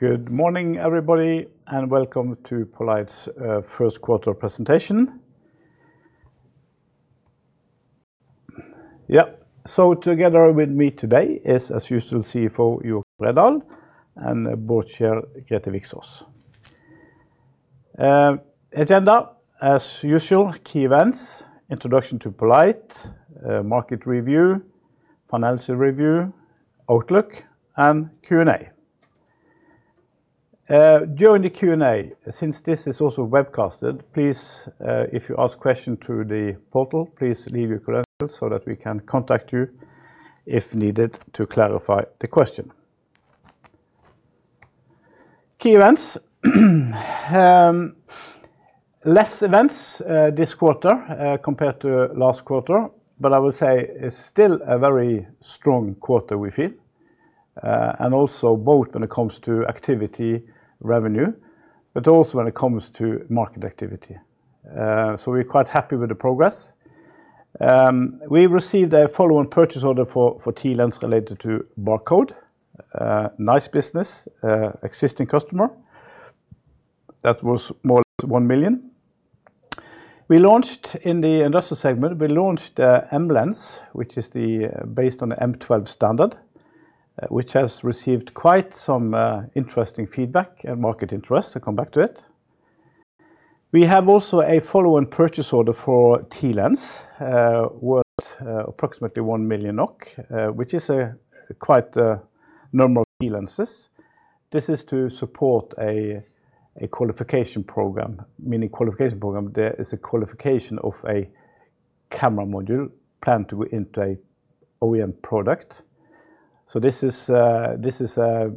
Good morning, everybody, welcome to poLight's first quarter presentation. Yeah. Together with me today is, as usual, CFO Joakim Hines Bredahl and Board Chair Grethe Viksaas. Agenda, as usual, key events, introduction to poLight, market review, financial review, outlook and Q&A. During the Q&A, since this is also webcasted, please, if you ask question through the portal, please leave your credentials so that we can contact you, if needed, to clarify the question. Key events. Less events this quarter compared to last quarter, I would say it's still a very strong quarter we feel. Also both when it comes to activity, revenue, but also when it comes to market activity. We're quite happy with the progress. We received a follow-on purchase order for TLens related to barcode. Nice business, existing customer. That was more or less 1 million. We launched in the industrial segment, we launched MLens, which is the based on the M12 standard, which has received quite some interesting feedback and market interest. I'll come back to it. We have also a follow-on purchase order for TLens, worth approximately 1 million NOK, which is a quite normal TLenses. This is to support a qualification program, meaning qualification program, there is a qualification of a camera module planned to go into a OEM product. This is a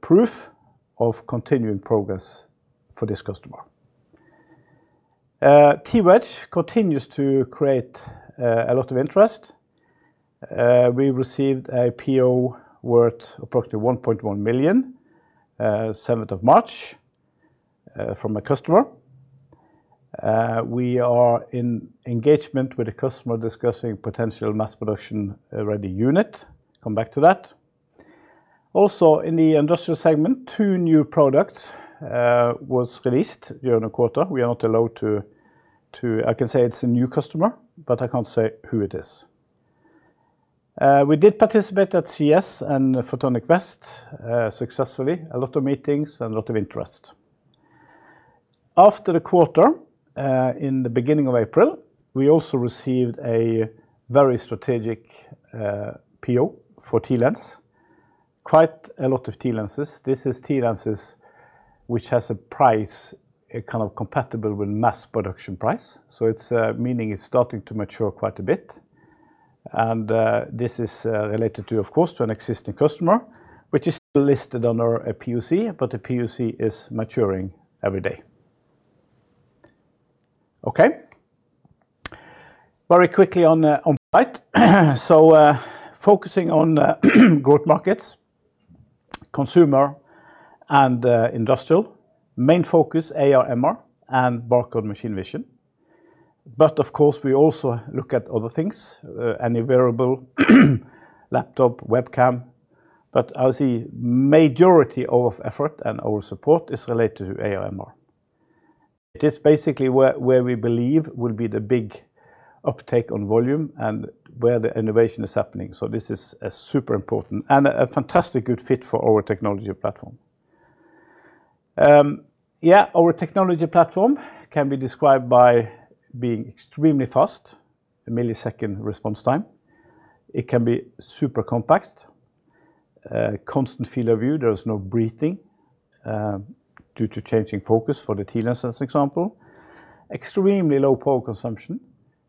proof of continuing progress for this customer. TWedge continues to create a lot of interest. We received a PO worth approximately 1.1 million 7th of March from a customer. We are in engagement with the customer discussing potential mass production-ready unit. Come back to that. In the industrial segment, two new products was released during the quarter. We are not allowed to. I can say it's a new customer, but I can't say who it is. We did participate at CES and Photonics West successfully. A lot of meetings and a lot of interest. After the quarter, in the beginning of April, we received a very strategic PO for TLens. Quite a lot of TLenses. This is TLenses which has a price, a kind of compatible with mass production price. It's meaning it's starting to mature quite a bit. This is related to, of course, to an existing customer, which is listed under a POC, but the POC is maturing every day. Okay. Very quickly on poLight. Focusing on growth markets, consumer and industrial. Main focus, AR/MR and barcode machine vision. Of course, we also look at other things, any wearable, laptop, webcam, but as a majority of effort and our support is related to AR/MR. It is basically where we believe will be the big uptake on volume and where the innovation is happening. This is super important and a fantastic good fit for our technology platform. Our technology platform can be described by being extremely fast, a millisecond response time. It can be super compact, constant field of view. There is no breathing due to changing focus for the TLens, as example. Extremely low power consumption.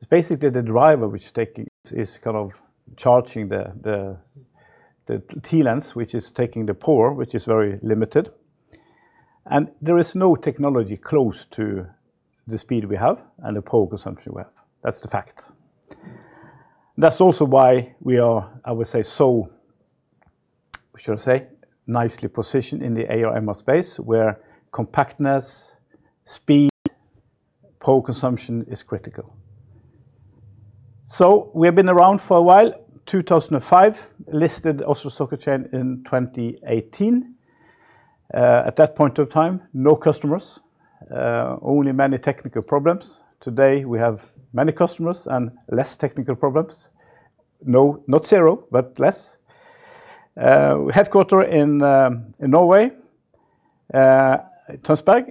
It's basically the driver which is kind of charging the TLens, which is taking the power, which is very limited. There is no technology close to the speed we have and the power consumption we have. That's the fact. That's also why we are nicely positioned in the AR/MR space where compactness, speed, power consumption is critical. We have been around for a while, 2005. Listed Oslo Stock Exchange in 2018. At that point of time, no customers, only many technical problems. Today, we have many customers and less technical problems. No, not zero, but less. Headquarter in Norway, Tønsberg.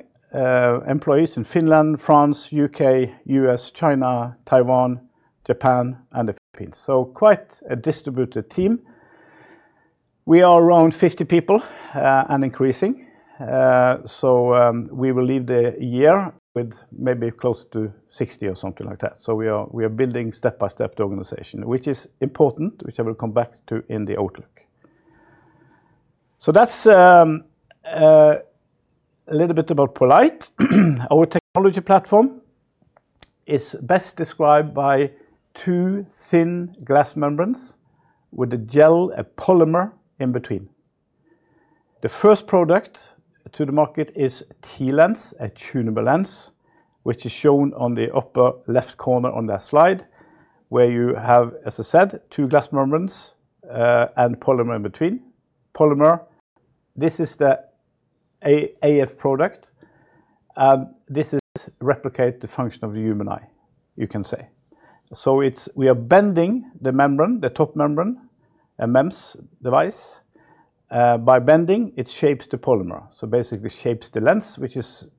Employees in Finland, France, U.K., U.S., China, Taiwan, Japan, and the Philippines. Quite a distributed team. We are around 50 people and increasing. We will leave the year with maybe close to 60 or something like that. We are building step by step the organization, which is important, which I will come back to in the outlook. That's a little bit about poLight. Our technology platform is best described by two thin glass membranes with a gel, a polymer in between. The first product to the market is TLens, a tunable lens, which is shown on the upper left corner on that slide. Where you have, as I said, two glass membranes and polymer in between. Polymer, this is the AF product. This is replicate the function of a human eye, you can say. We are bending the membrane, the top membrane, a MEMS device. By bending, it shapes the polymer, so basically shapes the lens, which is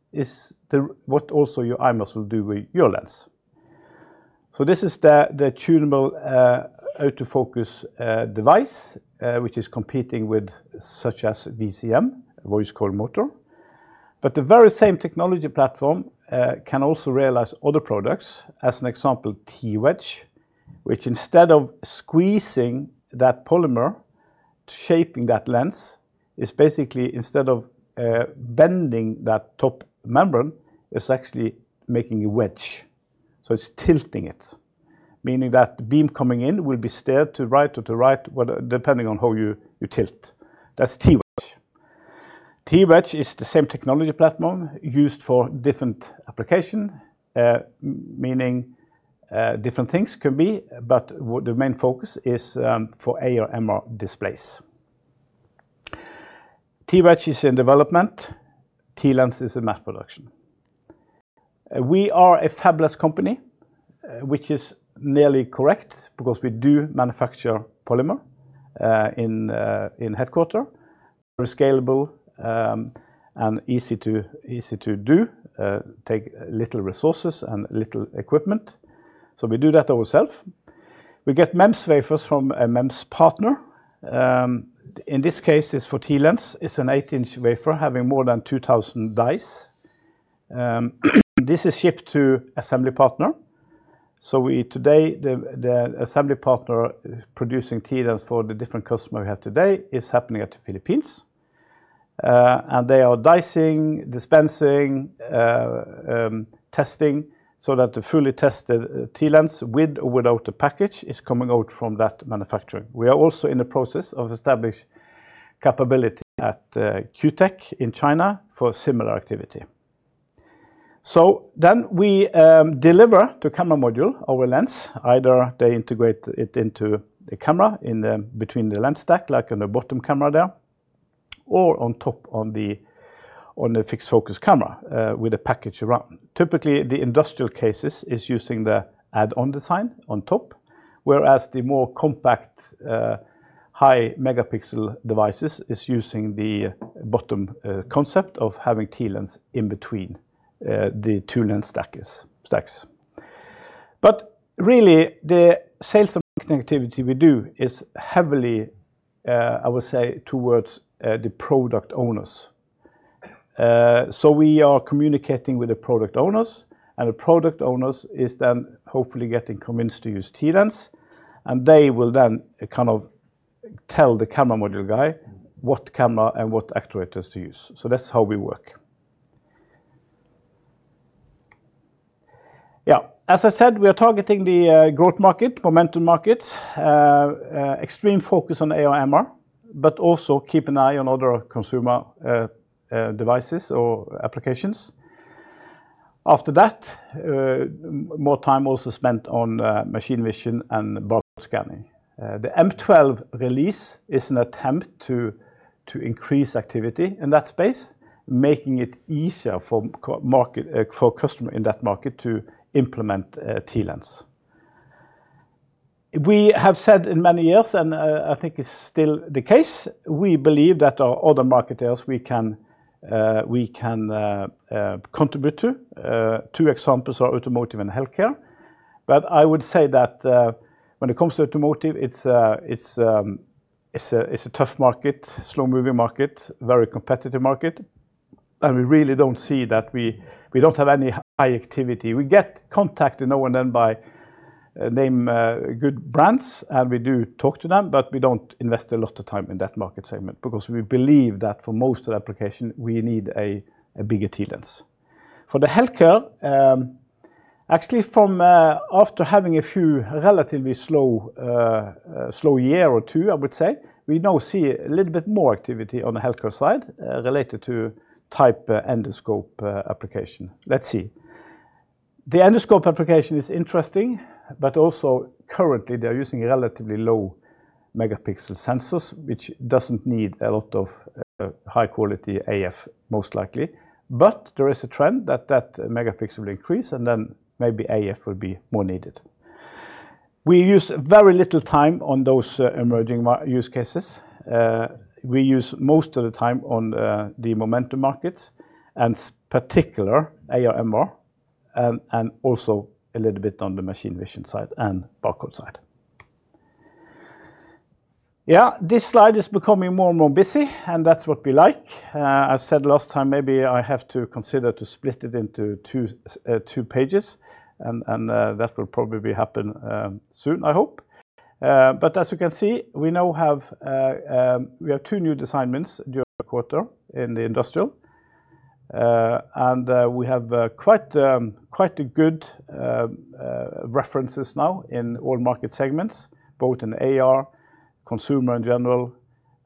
the what also your eye muscle will do with your lens. This is the tunable autofocus device, which is competing with such as VCM, voice coil motor. The very same technology platform can also realize other products, as an example TWedge, which instead of squeezing that polymer, shaping that lens, is basically instead of bending that top membrane, it's actually making a wedge. It's tilting it, meaning that the beam coming in will be steered to the right, depending on how you tilt. That's TWedge. TWedge is the same technology platform used for different application, meaning different things can be, but the main focus is for AR/MR displays. TWedge is in development. TLens is in mass production. We are a fabless company, which is nearly correct because we do manufacture polymer in headquarter. We're scalable, and easy to do, take little resources and little equipment. We do that ourself. We get MEMS wafers from a MEMS partner. In this case is for TLens. It's an 8 in wafer having more than 2,000 dies. This is shipped to assembly partner. We today, the assembly partner producing TLens for the different customer we have today is happening at the Philippines. They are dicing, dispensing, testing so that the fully tested TLens with or without the package is coming out from that manufacturer. We are also in the process of establish capability at Q Tech in China for similar activity. We deliver to camera module our lens. Either they integrate it into the camera in the, between the lens stack, like in the bottom camera there, or on top on the, on the fixed focus camera, with a package around. Typically, the industrial cases is using the add-on design on top, whereas the more compact, high megapixel devices is using the bottom concept of having TLens in between the two lens stacks. Really, the sales and marketing activity we do is heavily, I would say, towards the product owners. We are communicating with the product owners, the product owners is then hopefully getting convinced to use TLens, they will then kind of tell the camera module guy what camera and what actuators to use. That's how we work. Yeah. As I said, we are targeting the growth market, momentum markets, extreme focus on AR/MR, but also keep an eye on other consumer devices or applications. After that, more time also spent on machine vision and barcode scanning. The M12 release is an attempt to increase activity in that space, making it easier for market, for customer in that market to implement TLens. We have said in many years, and I think it's still the case, we believe that our other market areas we can contribute to. Two examples are automotive and healthcare. I would say that when it comes to automotive, it's a, it's a tough market, slow-moving market, very competitive market, and we really don't see that we. We don't have any high activity. We get contacted now and then by name, good brands, and we do talk to them, but we don't invest a lot of time in that market segment because we believe that for most of the application, we need a bigger TLens. For the healthcare, actually from, after having a few relatively slow year or two, I would say, we now see a little bit more activity on the healthcare side, related to type endoscope application. Let's see. The endoscope application is interesting, but also currently they're using relatively low megapixel sensors, which doesn't need a lot of high-quality AF most likely. There is a trend that that megapixel will increase and then maybe AF will be more needed. We use very little time on those emerging use cases. We use most of the time on the momentum markets and particularly AR/MR, and also a little bit on the machine vision side and barcode side. Yeah. This slide is becoming more and more busy, and that's what we like. I said last time maybe I have to consider to split it into two pages and that will probably happen soon, I hope. As you can see, we now have two new design wins during the quarter in the Industrial. We have quite a good references now in all market segments, both in AR, consumer in general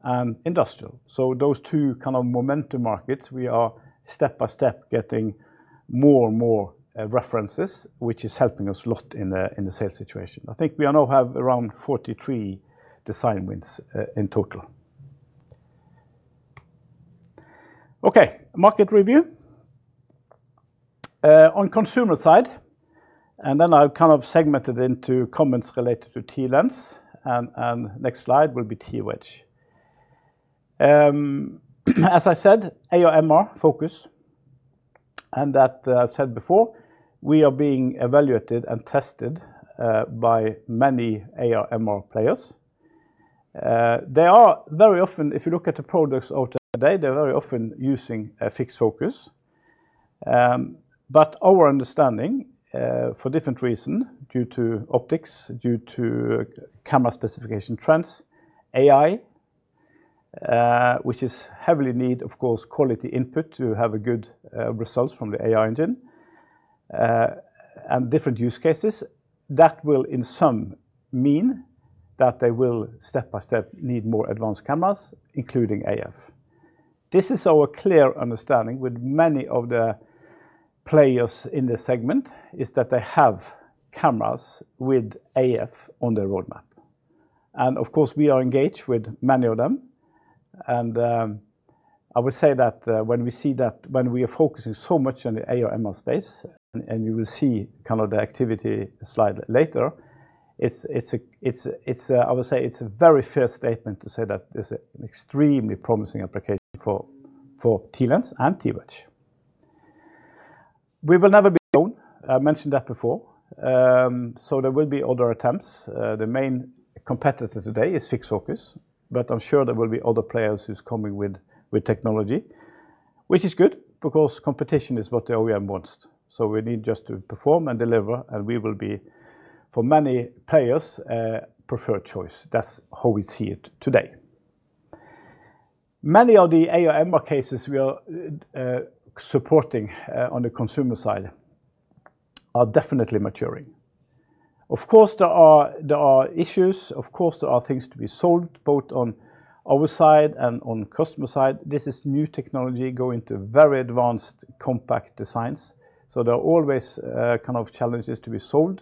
and Industrial. Those two kind of momentum markets, we are step-by-step getting more and more references, which is helping us a lot in the sales situation. I think we are now have around 43 design wins in total. Okay. Market review. On consumer side, and then I've kind of segmented into comments related to TLens, and next slide will be TWedge. As I said, AR/MR focus, and that I said before, we are being evaluated and tested by many AR/MR players. They are very often, if you look at the products out today, they're very often using a fixed focus. Our understanding, for different reason, due to optics, due to camera specification trends, AI, which is heavily need, of course, quality input to have a good results from the AI engine, and different use cases, that will in sum mean that they will step-by-step need more advanced cameras, including AF. This is our clear understanding with many of the players in this segment, is that they have cameras with AF on their roadmap. Of course, we are engaged with many of them. I would say that when we see that when we are focusing so much on the AR/MR space, and you will see kind of the activity slide later, it's a very fair statement to say that there's an extremely promising application for TLens and TWedge. We will never be alone. I mentioned that before. There will be other attempts. The main competitor today is fixed focus, but I'm sure there will be other players who's coming with technology, which is good because competition is what the OEM wants. We need just to perform and deliver, and we will be, for many players, a preferred choice. That's how we see it today. Many of the AR/MR cases we are supporting on the consumer side are definitely maturing. Of course, there are issues. Of course, there are things to be solved, both on our side and on customer side. This is new technology going to very advanced compact designs. There are always kind of challenges to be solved.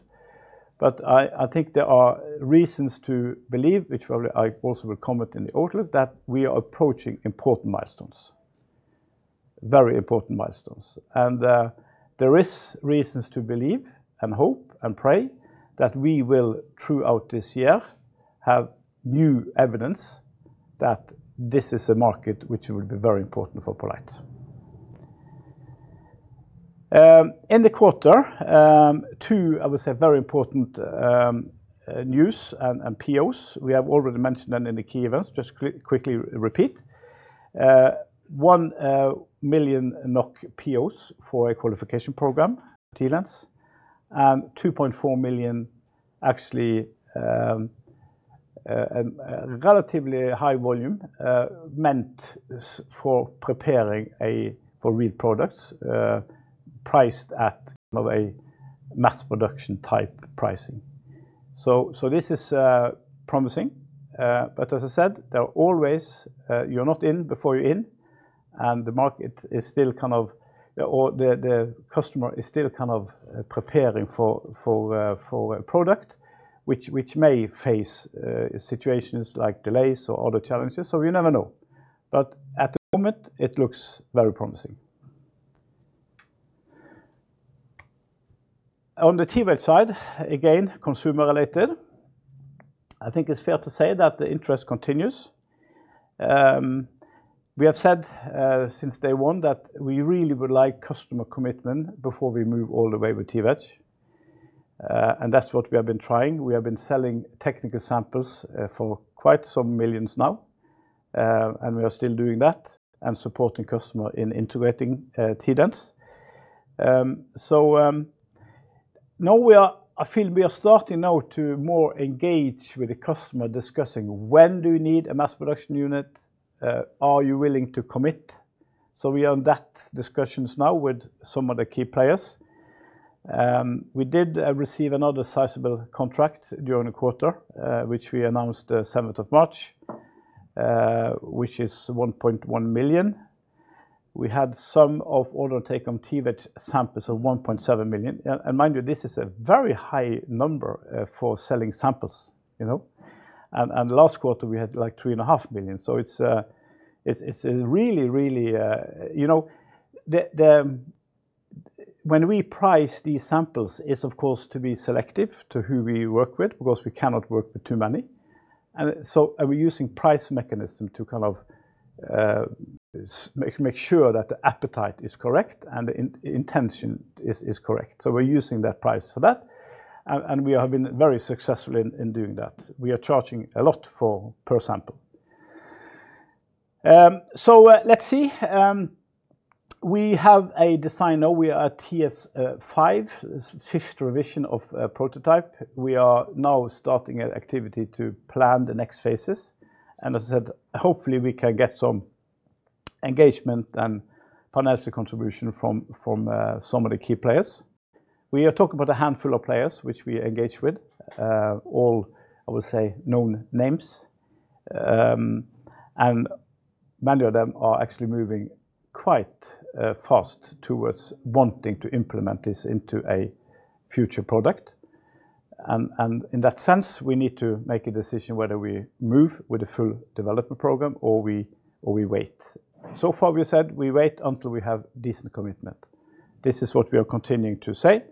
I think there are reasons to believe, which probably I also will comment in the outlook, that we are approaching important milestones. Very important milestones. There is reasons to believe and hope and pray that we will, throughout this year, have new evidence that this is a market which will be very important for poLight. In the quarter, two, I would say, very important news and POs. We have already mentioned them in the key events. Just quickly repeat. 1 million NOK POs for a qualification program, TLens. 2.4 million actually, relatively high volume, meant for preparing a, for real products, priced at kind of a mass production type pricing. This is promising. As I said, there are always, you're not in before you're in, and the market is still kind of, or the customer is still kind of preparing for a product which may face, situations like delays or other challenges, so you never know. At the moment, it looks very promising. On the TWedge side, again, consumer related, I think it's fair to say that the interest continues. We have said, since day one that we really would like customer commitment before we move all the way with TWedge. That's what we have been trying. We have been selling technical samples, for quite some millions now, and we are still doing that and supporting customer in integrating, TLens. Now I feel we are starting now to more engage with the customer, discussing when do you need a mass production unit, are you willing to commit? We are in that discussions now with some of the key players. We did receive another sizable contract during the quarter, which we announced the 7th of March, which is 1.1 million. We had some of order taken TWedge samples of 1.7 million. Mind you, this is a very high number for selling samples, you know. Last quarter, we had like 3.5 million. It is really, really, you know, when we price these samples, it is of course to be selective to who we work with, because we cannot work with too many. Are we using price mechanism to kind of make sure that the appetite is correct and the intention is correct. We're using that price for that. We have been very successful in doing that. We are charging a lot for per sample. Let's see. We have a design now. We are at TS5, fifth revision of a prototype. We are now starting an activity to plan the next phases. As I said, hopefully, we can get some engagement and financial contribution from some of the key players. We are talking about a handful of players which we engage with. All, I will say, known names. Many of them are actually moving quite fast towards wanting to implement this into a future product. In that sense, we need to make a decision whether we move with the full development program or we wait. So far we said we wait until we have decent commitment. This is what we are continuing to say.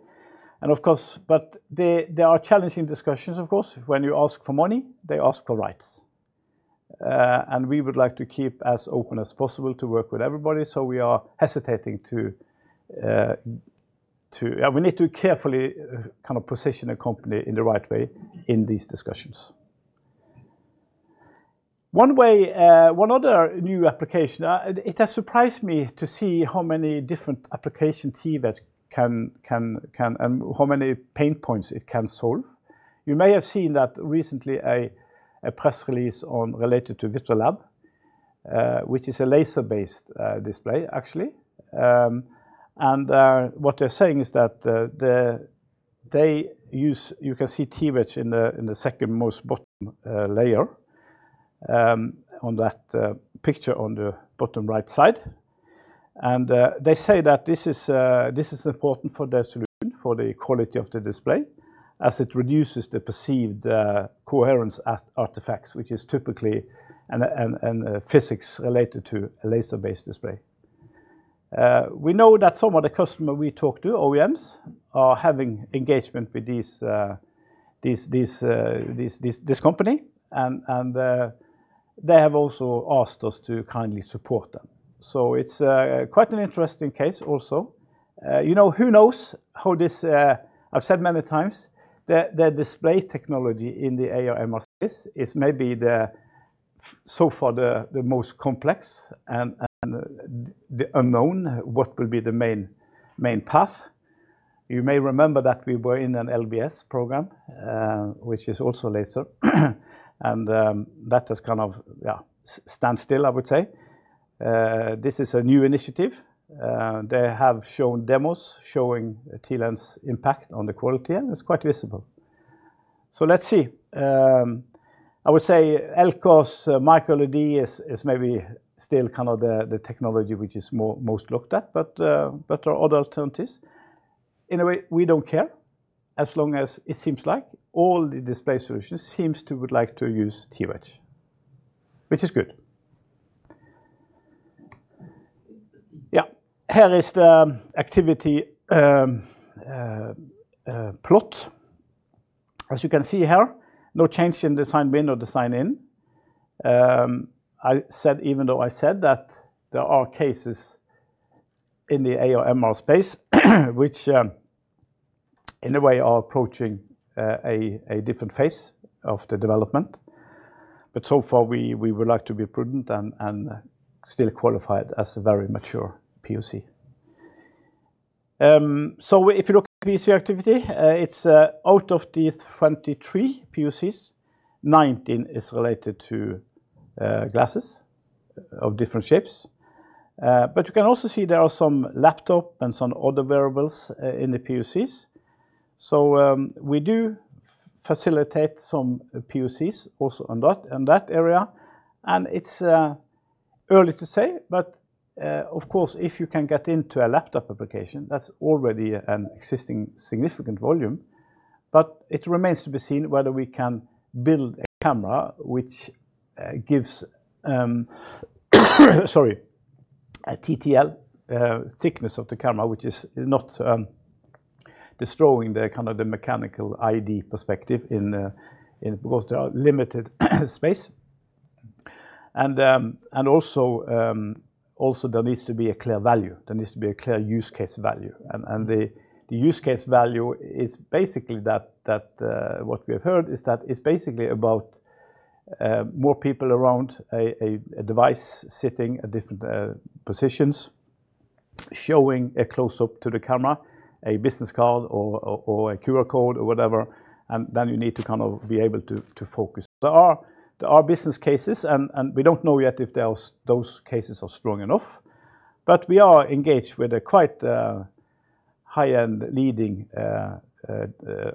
Of course, but they are challenging discussions, of course. When you ask for money, they ask for rights. We would like to keep as open as possible to work with everybody, so we are hesitating. We need to carefully kind of position a company in the right way in these discussions. One way, one other new application, it has surprised me to see how many different application TWedge can and how many pain points it can solve. You may have seen that recently a press release. related to Vitrealab, which is a laser-based display actually. What they're saying is that they use You can see TWedge in the second most bottom layer on that picture on the bottom right side. They say that this is important for the solution for the quality of the display, as it reduces the perceived coherence artifacts, which is typically a physics related to a laser-based display. We know that some of the customer we talk to, OEMs, are having engagement with this company. They have also asked us to kindly support them. It's quite an interesting case also. You know, who knows how this. I've said many times, the display technology in the AR/MR space is maybe so far the most complex and the unknown. What will be the main path? You may remember that we were in an LBS program, which is also laser. That has kind of, yeah, standstill, I would say. This is a new initiative. They have shown demos showing TLens impact on the quality, and it's quite visible. Let's see. I would say LCOS MicroLED is maybe still kind of the technology which is most looked at, there are other alternatives. In a way, we don't care, as long as it seems like all the display solutions seems to would like to use TWedge, which is good. Yeah. Here is the activity plot. As you can see here, no change in design win or design in. I said, even though I said that there are cases in the AR/MR space, which in a way are approaching a different phase of the development. So far we would like to be prudent and still qualify it as a very mature POC. If you look at POC activity, it's out of these 23 POCs, 19 is related to glasses of different shapes. You can also see there are some laptop and some other variables in the POCs. We do facilitate some POCs also on that area, and it's early to say, but of course, if you can get into a laptop application, that's already an existing significant volume. It remains to be seen whether we can build a camera which gives, sorry, a TTL thickness of the camera, which is not destroying the kind of the mechanical ID perspective because there are limited space. Also, there needs to be a clear value. There needs to be a clear use case value. The use case value is basically that what we have heard is that it's basically about more people around a device sitting at different positions, showing a close-up to the camera, a business card or a QR code or whatever, and then you need to kind of be able to focus. There are business cases, and we don't know yet if those cases are strong enough. We are engaged with a quite high-end leading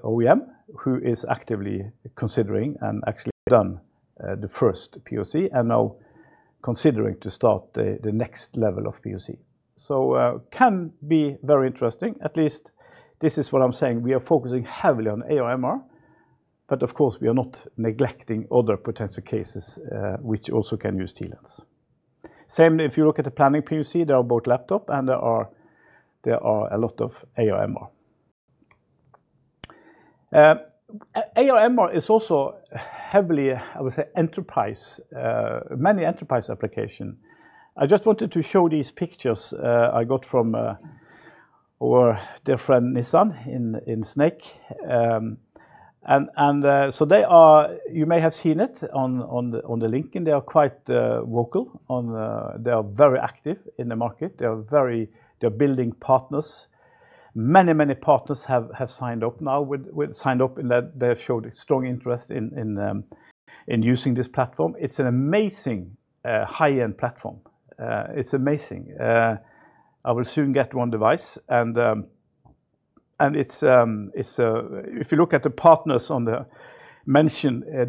OEM who is actively considering and actually done the first POC and now considering to start the next level of POC. Can be very interesting. At least this is what I'm saying. We are focusing heavily on AR/MR, but of course, we are not neglecting other potential cases which also can use TLens. Same if you look at the planning POC, there are both laptop and there are a lot of AR/MR. AR/MR is also heavily, I would say, enterprise, many enterprise application. I just wanted to show these pictures I got from our dear friend Nissan in Snke. You may have seen it on the LinkedIn. They are quite vocal on. They are very active in the market. They're building partners. Many partners have signed up now. They have shown a strong interest in using this platform. It's an amazing high-end platform. It's amazing. I will soon get one device. If you look at the partners on the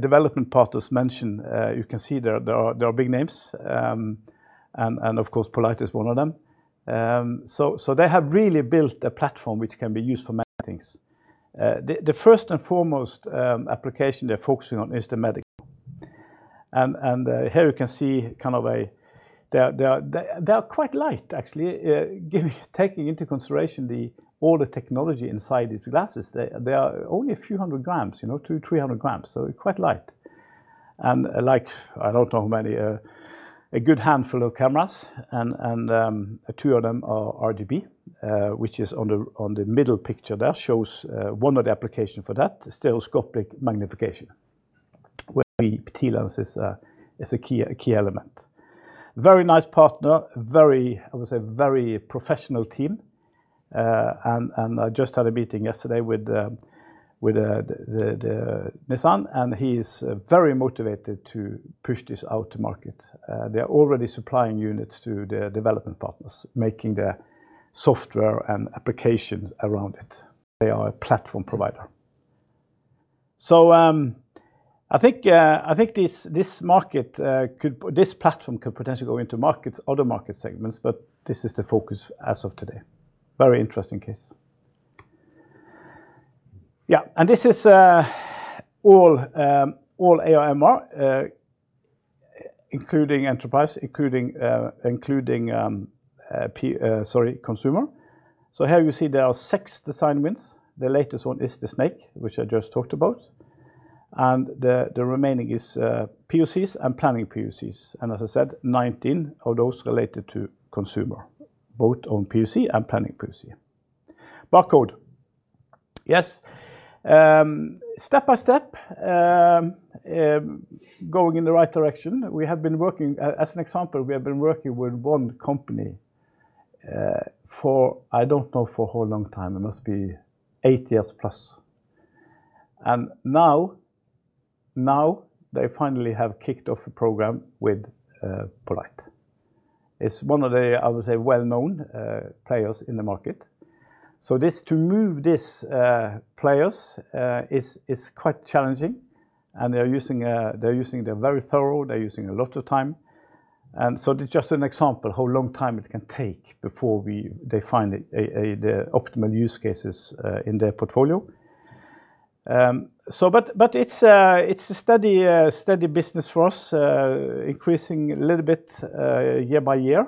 development partners mentioned, you can see there are big names. Of course, poLight is one of them. They have really built a platform which can be used for many things. The first and foremost application they're focusing on is the medical. Here you can see. They are quite light, actually. Taking into consideration all the technology inside these glasses, they are only a few hundred grams, you know, 200 g-300 g. Quite light. Like, I don't know how many, a good handful of cameras and two of them are RGB, which is on the middle picture there shows one of the applications for that, the stereoscopic magnification, where the TLens is a key element. Very nice partner, very, I would say, very professional team. I just had a meeting yesterday with Nissan and he is very motivated to push this out to market. They are already supplying units to the development partners, making the software and applications around it. They are a platform provider. I think this market could, this platform could potentially go into markets, other market segments, but this is the focus as of today. Very interesting case. Yeah, this is all AR/MR, including enterprise, including consumer. Here you see there are six design wins. The latest one is the Snake, which I just talked about. The remaining is POCs and planning POCs. As I said, 19 of those related to consumer, both on POC and planning POC. Barcode. Yes. Step by step, going in the right direction. We have been working, as an example, we have been working with one company for, I don't know for how long time, it must be eight years plus. Now they finally have kicked off a program with poLight. It's one of the, I would say, well-known players in the market. To move this players is quite challenging. They're very thorough. They're using a lot of time. It's just an example how long time it can take before they find the optimal use cases in their portfolio. It's a steady business for us, increasing a little bit year by year.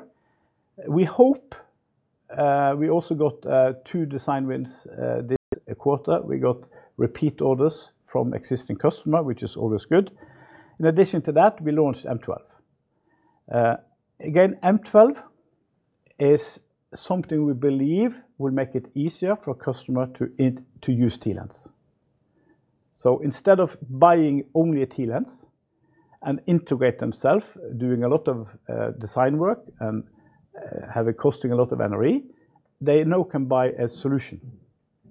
We hope we also got two design wins this quarter. We got repeat orders from existing customer, which is always good. In addition to that, we launched M12. Again, M12 is something we believe will make it easier for customer to use TLens. Instead of buying only a TLens and integrate themselves, doing a lot of design work and have it costing a lot of NRE, they now can buy a solution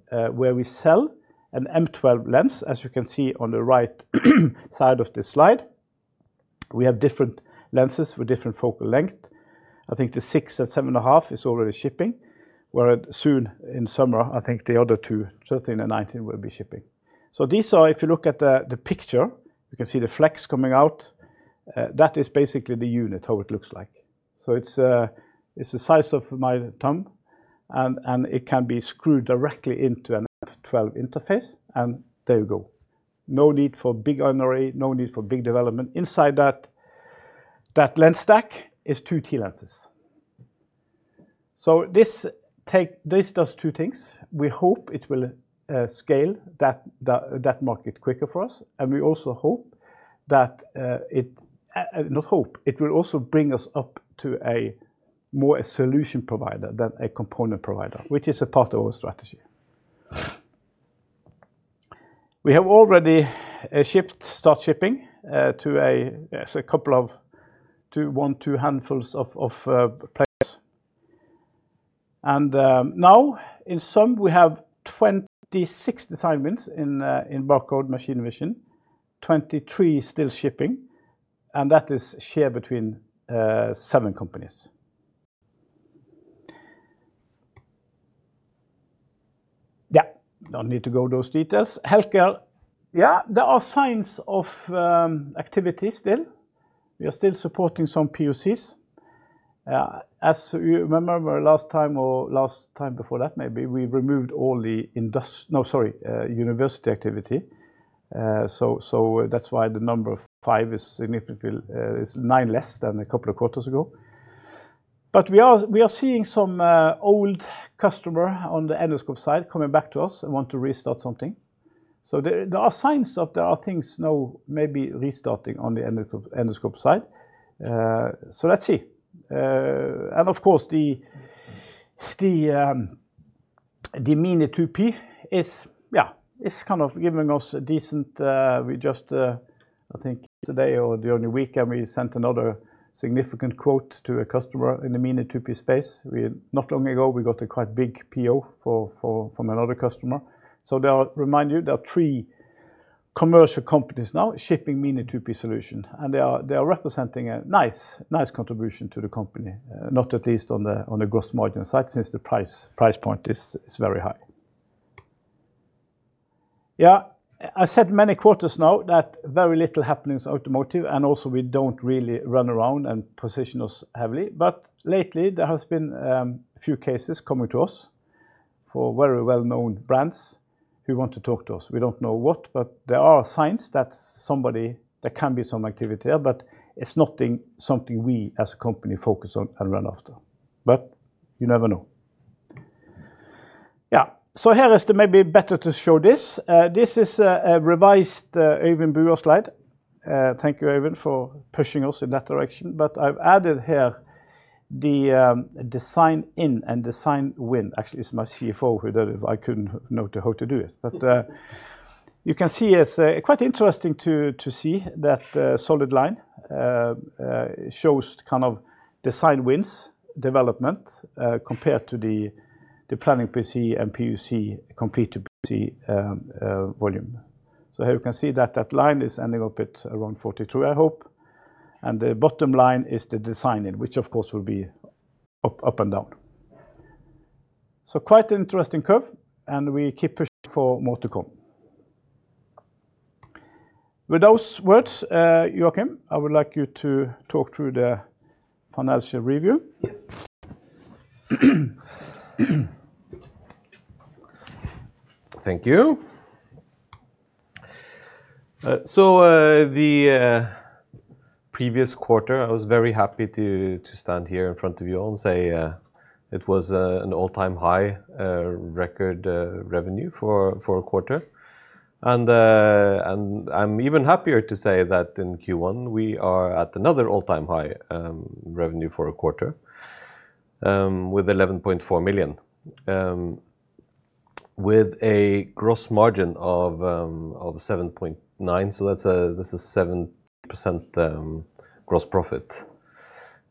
where we sell an M12 lens. As you can see on the right side of this slide, we have different lenses with different focal length. I think the six and 7.5 is already shipping, where soon in summer, I think the other 2, 13 and 19, will be shipping. These are, if you look at the picture, you can see the flex coming out. That is basically the unit, how it looks like. It's the size of my thumb, and it can be screwed directly into an M12 interface, and there you go. No need for big NRE, no need for big development. Inside that lens stack is two TLenses. This does two things. We hope it will scale that market quicker for us. We also hope that it will also bring us up to a more a solution provider than a component provider, which is a part of our strategy. We have already shipped, start shipping to a couple of one, two handfuls of players. Now in sum, we have 26 design wins in barcode machine vision, 23 still shipping, and that is shared between seven companies. Yeah, no need to go those details. Healthcare. Yeah, there are signs of activity still. We are still supporting some POCs. As you remember last time or last time before that, maybe we removed all the industry, no, sorry, university activity. That's why the number of five is significantly, is nine less than a couple of quarters ago. We are seeing some old customer on the endoscope side coming back to us and want to restart something. There are signs that there are things now maybe restarting on the endoscope side. Let's see. Of course, the Mini2P is, yeah, it's kind of giving us a decent, we just, I think yesterday or the only week, and we sent another significant quote to a customer in the Mini2P space. Not long ago, we got a quite big PO from another customer. Remind you, there are three commercial companies now shipping Mini2P solution and they are representing a nice contribution to the company, not at least on the gross margin side since the price point is very high. I said many quarters now that very little happens in automotive and also we don't really run around and position us heavily. Lately there has been a few cases coming to us for very well-known brands who want to talk to us. We don't know what, but there are signs that somebody, there can be some activity there, but it's not something we as a company focus on and run after. You never know. Here it may be better to show this. This is a revised Øyvind Buer slide. Thank you, Øyvind, for pushing us in that direction. I've added here the design in and design win. Actually, it's my CFO who did it. I couldn't know how to do it. You can see it's quite interesting to see that solid line shows kind of design wins development compared to the planning POC and POC completed POC volume. Here you can see that that line is ending up at around 42, I hope. The bottom line is the design in, which of course will be up and down. Quite an interesting curve and we keep pushing for more to come. With those words, Joakim, I would like you to talk through the financial review. Yes. Thank you. The previous quarter, I was very happy to stand here in front of you all and say it was an all-time high record revenue for a quarter. I am even happier to say that in Q1, we are at another all-time high revenue for a quarter with 11.4 million. With a gross margin of 7.9, this is 70% gross profit.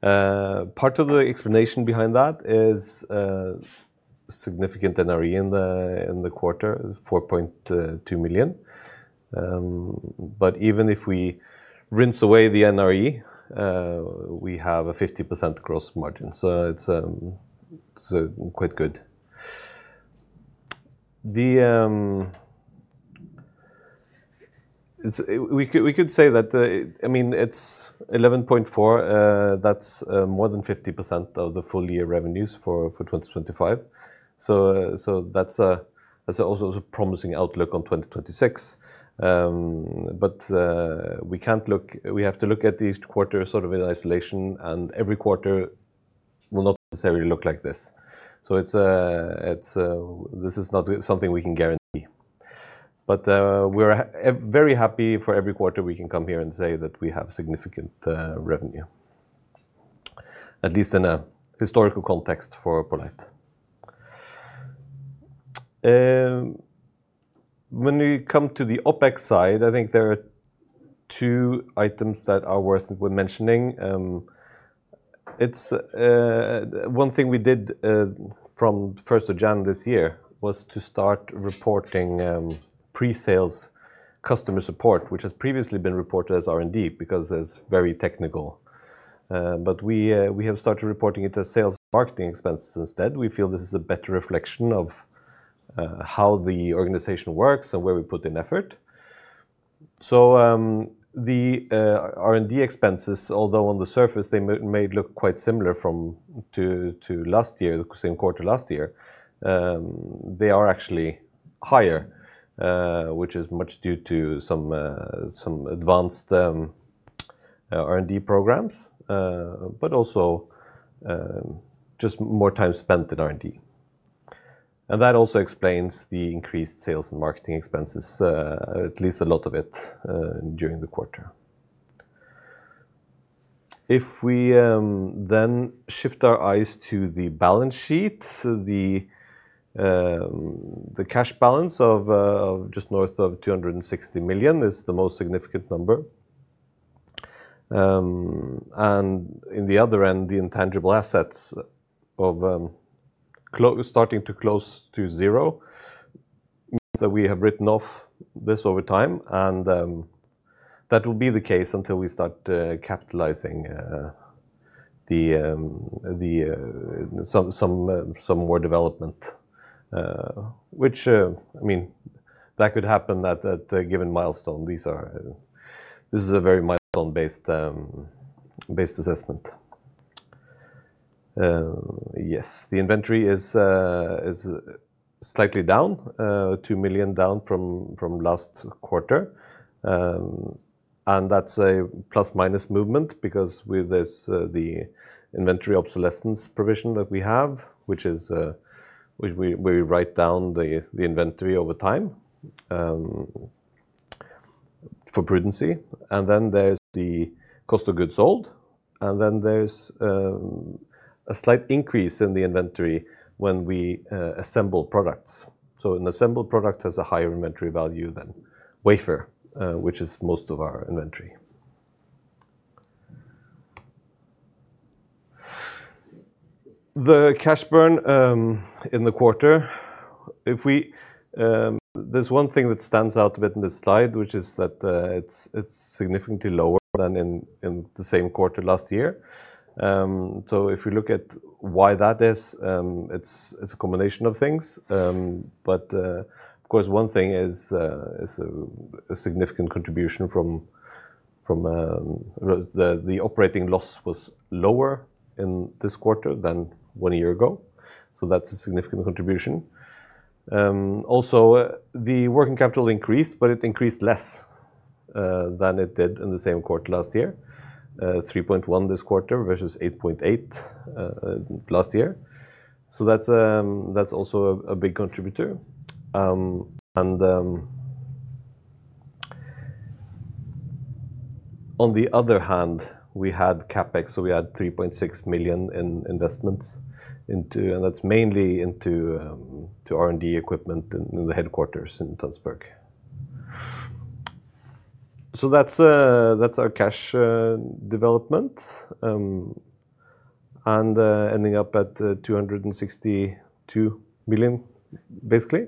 Part of the explanation behind that is significant NRE in the quarter, 4.2 million. Even if we rinse away the NRE, we have a 50% gross margin. It is quite good. We could say that, I mean, it is 11.4. That is more than 50% of the full-year revenues for 2025. That is also a promising outlook on 2026. We have to look at these quarters sort of in isolation, and every quarter will not necessarily look like this. This is not something we can guarantee. We're very happy for every quarter we can come here and say that we have significant revenue, at least in a historical context for poLight. When we come to the OpEx side, I think there are two items that are worth mentioning. One thing we did from 1st of January this year was to start reporting pre-sales customer support, which has previously been reported as R&D because it's very technical. We have started reporting it as sales and marketing expenses instead. We feel this is a better reflection of how the organization works and where we put in effort. The R&D expenses, although on the surface they may look quite similar to last year, the same quarter last year, they are actually higher, which is much due to some advanced R&D programs, but also just more time spent in R&D. That also explains the increased sales and marketing expenses, at least a lot of it during the quarter. If we shift our eyes to the balance sheet, the cash balance of just north of 260 million is the most significant number. In the other end, the intangible assets starting to close to zero means that we have written off this over time. That will be the case until we start capitalizing some more development, which, I mean, that could happen at a given milestone. This is a very milestone-based assessment. Yes, the inventory is slightly down, 2 million down from last quarter. That's a plus-minus movement because with the inventory obsolescence provision that we have, which we write down the inventory over time for prudency. There's the cost of goods sold. There's a slight increase in the inventory when we assemble products. An assembled product has a higher inventory value than wafer, which is most of our inventory. The cash burn in the quarter. There's one thing that stands out a bit in this slide, which is that it's significantly lower than in the same quarter last year. If you look at why that is, it's a combination of things. Of course, one thing is a significant contribution from the operating loss was lower in this quarter than one year ago. That's a significant contribution. Also, the working capital increased, it increased less than it did in the same quarter last year. 3.1 this quarter versus 8.8 last year. That's also a big contributor. On the other hand, we had CapEx, we had 3.6 million in investments into. That's mainly into R&D equipment in the headquarters in Tønsberg. That's our cash development. Ending up at 262 million basically.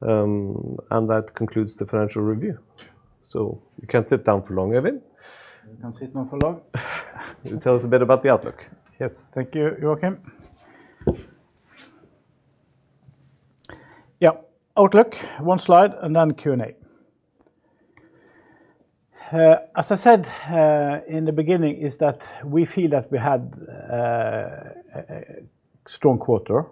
That concludes the financial review. You can sit down for long, Øyvind. I can sit now for long. Tell us a bit about the outlook? Yes. Thank you, Joakim. Yeah, outlook, one slide, and then Q&A. As I said, in the beginning, is that we feel that we had a strong quarter,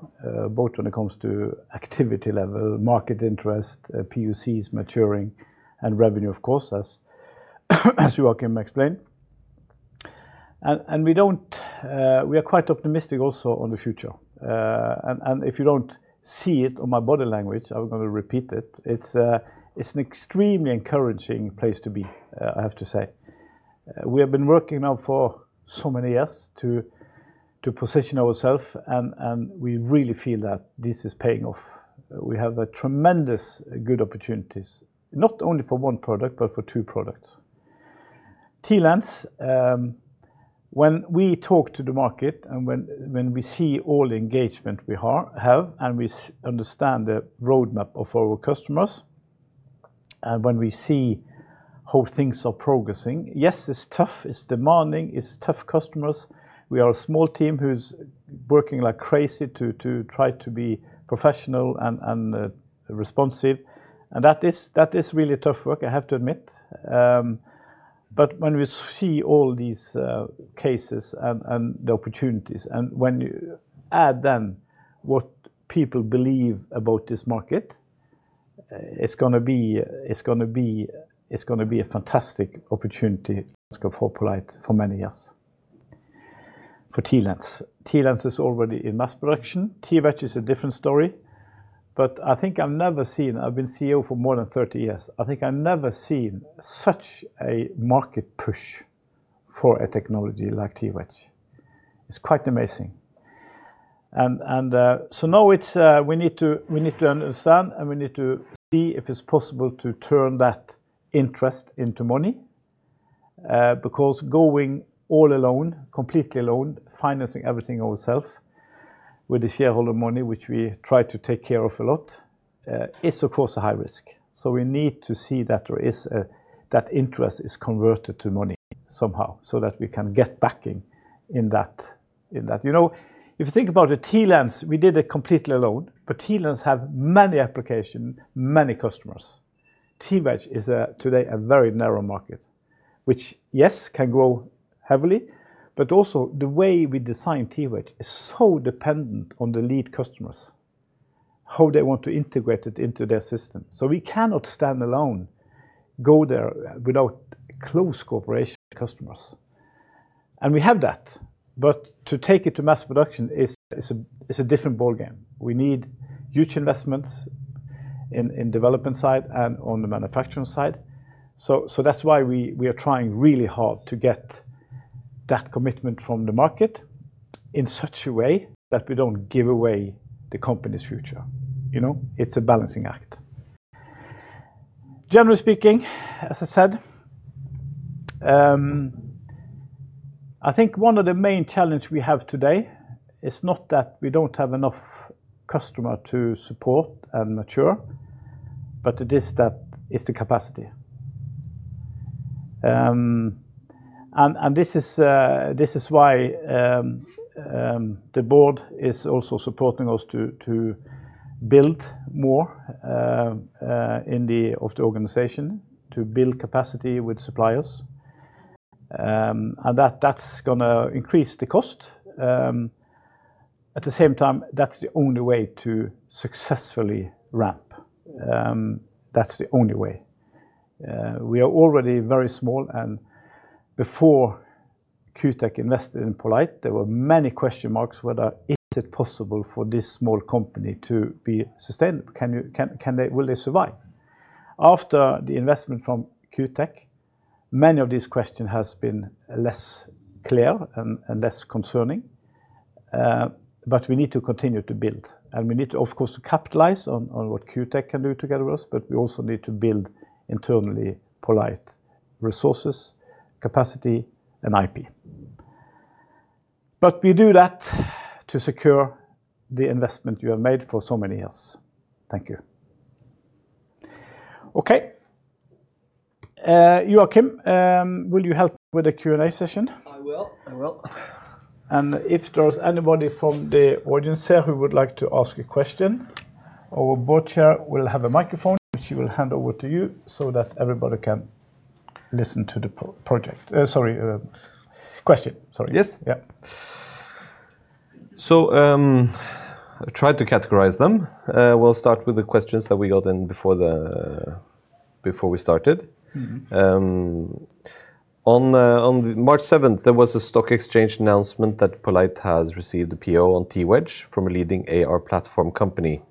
both when it comes to activity level, market interest, POCs maturing, and revenue, of course, as Joakim explained. We don't. We are quite optimistic also on the future. If you don't see it on my body language, I'm gonna repeat it. It's an extremely encouraging place to be, I have to say. We have been working now for so many years to position ourself, and we really feel that this is paying off. We have a tremendous good opportunities, not only for one product, but for two products. TLens, when we talk to the market and when we see all the engagement we are... have. We understand the roadmap of our customers. When we see how things are progressing, yes, it is tough, it is demanding, it is tough customers. We are a small team who is working like crazy to try to be professional and responsive, and that is really tough work, I have to admit. When we see all these cases and the opportunities, and when you add then what people believe about this market, it is going to be a fantastic opportunity, of course, for poLight for many years for TLens. TLens is already in mass production. TWedge is a different story. I think I have never seen. I have been CEO for more than 30 years. I think I have never seen such a market push for a technology like TWedge. It is quite amazing. Now it's, we need to understand, and we need to see if it's possible to turn that interest into money, because going all alone, completely alone, financing everything ourself with the shareholder money, which we try to take care of a lot, is of course a high risk. We need to see that there is that interest is converted to money somehow so that we can get backing in that, in that. You know, if you think about the TLens, we did it completely alone, but TLens have many application, many customers. TWedge is today a very narrow market, which, yes, can grow heavily. Also, the way we design TWedge is so dependent on the lead customers, how they want to integrate it into their system. We cannot stand alone, go there without close cooperation with customers. We have that, but to take it to mass production is a different ballgame. We need huge investments in development side and on the manufacturing side. That's why we are trying really hard to get that commitment from the market in such a way that we don't give away the company's future. You know. It's a balancing act. Generally speaking, as I said, I think one of the main challenge we have today is not that we don't have enough customer to support and mature, but it is that, it is the capacity. And this is why the board is also supporting us to build more of the organization, to build capacity with suppliers. That's gonna increase the cost. At the same time, that's the only way to successfully ramp. That's the only way. We are already very small, before Q Tech invested in poLight, there were many question marks whether is it possible for this small company to be sustainable? Can they... Will they survive? After the investment from Q Tech, many of these question has been less clear and less concerning. We need to continue to build, we need to, of course, capitalize on what Q Tech can do together with us, we also need to build internally poLight resources. Capacity and IP. We do that to secure the investment you have made for so many years. Thank you. Okay. Joakim, will you help with the Q&A session? I will. If there's anybody from the audience here who would like to ask a question, our Board Chair will have a microphone which he will hand over to you so that everybody can listen to the question. Sorry. Yes. Yeah. I tried to categorize them. We'll start with the questions that we got in before we started. Mm-hmm. On March 7th, there was a stock exchange announcement that poLight has received a PO on TWedge from a leading AR platform company.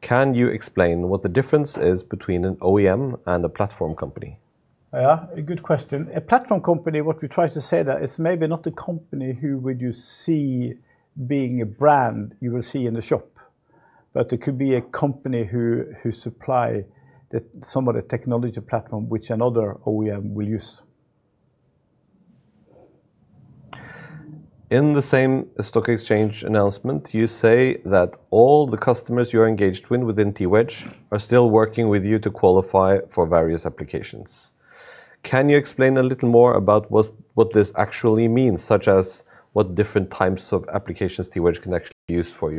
Can you explain what the difference is between an OEM and a platform company? Yeah, a good question. A platform company, what we try to say that it's maybe not a company who would you see being a brand you will see in the shop. It could be a company who supply the some of the technology platform which another OEM will use. In the same stock exchange announcement, you say that all the customers you're engaged with within TWedge are still working with you to qualify for various applications. Can you explain a little more about what this actually means, such as what different types of applications TWedge can actually be used for?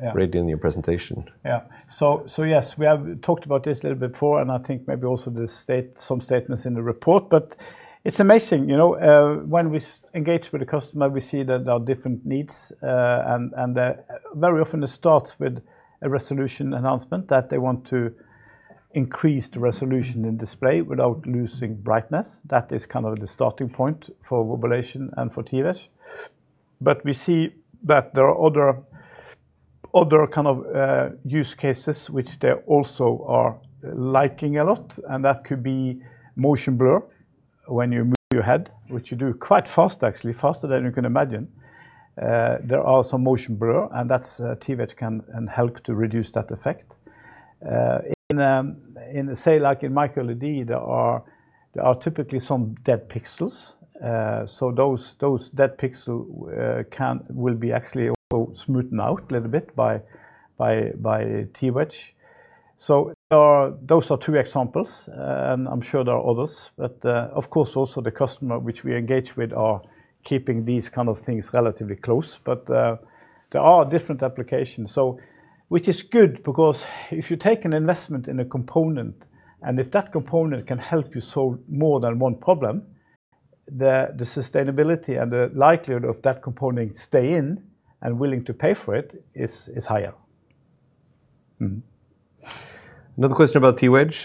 Yeah... earlier in your presentation. Yeah. Yes, we have talked about this a little bit before, and I think maybe also some statements in the report. It's amazing, you know, when we engage with a customer, we see that there are different needs, and very often this starts with a resolution announcement that they want to increase the resolution and display without losing brightness. That is kind of the starting point for Wobulation and for TWedge. We see that there are other kind of use cases which they also are liking a lot, and that could be motion blur when you move your head, which you do quite fast, actually, faster than you can imagine. There are some motion blur, and that's TWedge can help to reduce that effect. In, in say like in MicroLED, there are, there are typically some dead pixels. So those dead pixel, will be actually also smoothen out a little bit by TWedge. Those are two examples. I'm sure there are others. Of course, also the customer which we engage with are keeping these kind of things relatively close. There are different applications, so which is good because if you take an investment in a component, and if that component can help you solve more than one problem, the sustainability and the likelihood of that component stay in and willing to pay for it is higher. Another question about TWedge.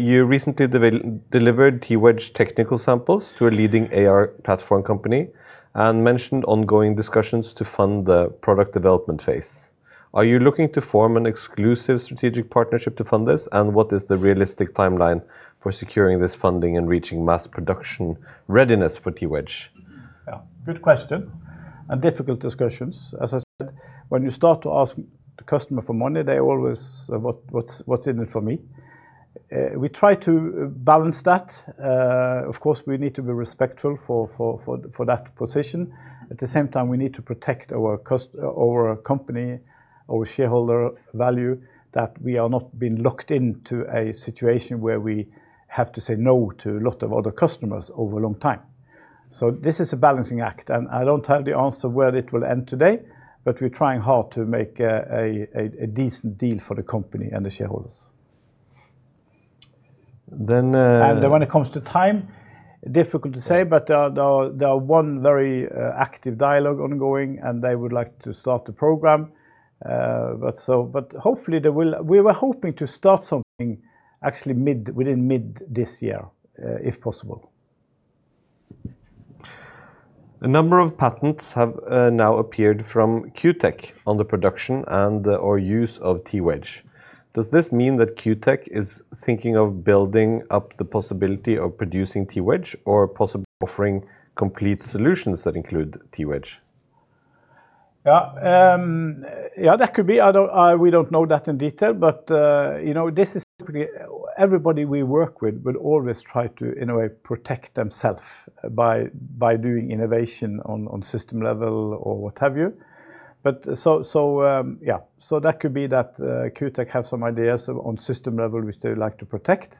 You recently delivered TWedge technical samples to a leading AR platform company and mentioned ongoing discussions to fund the product development phase. Are you looking to form an exclusive strategic partnership to fund this? What is the realistic timeline for securing this funding and reaching mass production readiness for TWedge? Yeah, good question, difficult discussions. As I said, when you start to ask the customer for money, they always, "What's in it for me?" We try to balance that. Of course, we need to be respectful for that position. At the same time, we need to protect our company, our shareholder value, that we are not being locked into a situation where we have to say no to a lot of other customers over a long time. This is a balancing act, and I don't have the answer where it will end today, but we're trying hard to make a decent deal for the company and the shareholders. Then, uh- When it comes to time, difficult to say, but, there are one very active dialogue ongoing, and they would like to start the program. We were hoping to start something actually mid, within mid this year, if possible. A number of patents have now appeared from Q Tech on the production and/or use of TWedge. Does this mean that Q Tech is thinking of building up the possibility of producing TWedge or possibly offering complete solutions that include TWedge? Yeah, that could be. I don't, we don't know that in detail, but, you know, this is typically, everybody we work with will always try to, in a way, protect themself by doing innovation on system level or what have you. Yeah, that could be that Q Tech have some ideas on system level which they would like to protect.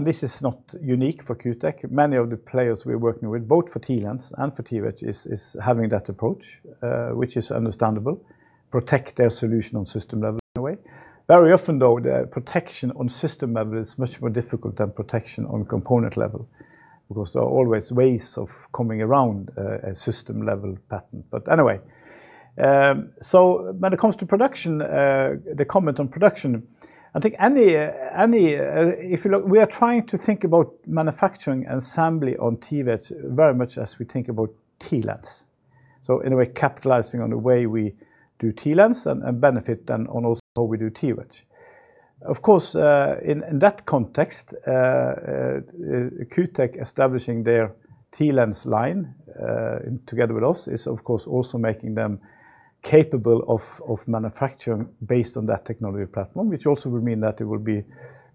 This is not unique for Q Tech. Many of the players we're working with, both for TLens and for TWedge is having that approach, which is understandable. Protect their solution on system level, in a way. Very often, though, the protection on system level is much more difficult than protection on component level because there are always ways of coming around a system-level patent. Anyway, so when it comes to production, the comment on production, I think any, if you look, we are trying to think about manufacturing and assembly on TWedge very much as we think about TLens. In a way, capitalizing on the way we do TLens and benefit then on also how we do TWedge. Of course, in that context, Q Tech establishing their TLens line together with us is of course also making them capable of manufacturing based on that technology platform, which also would mean that it will be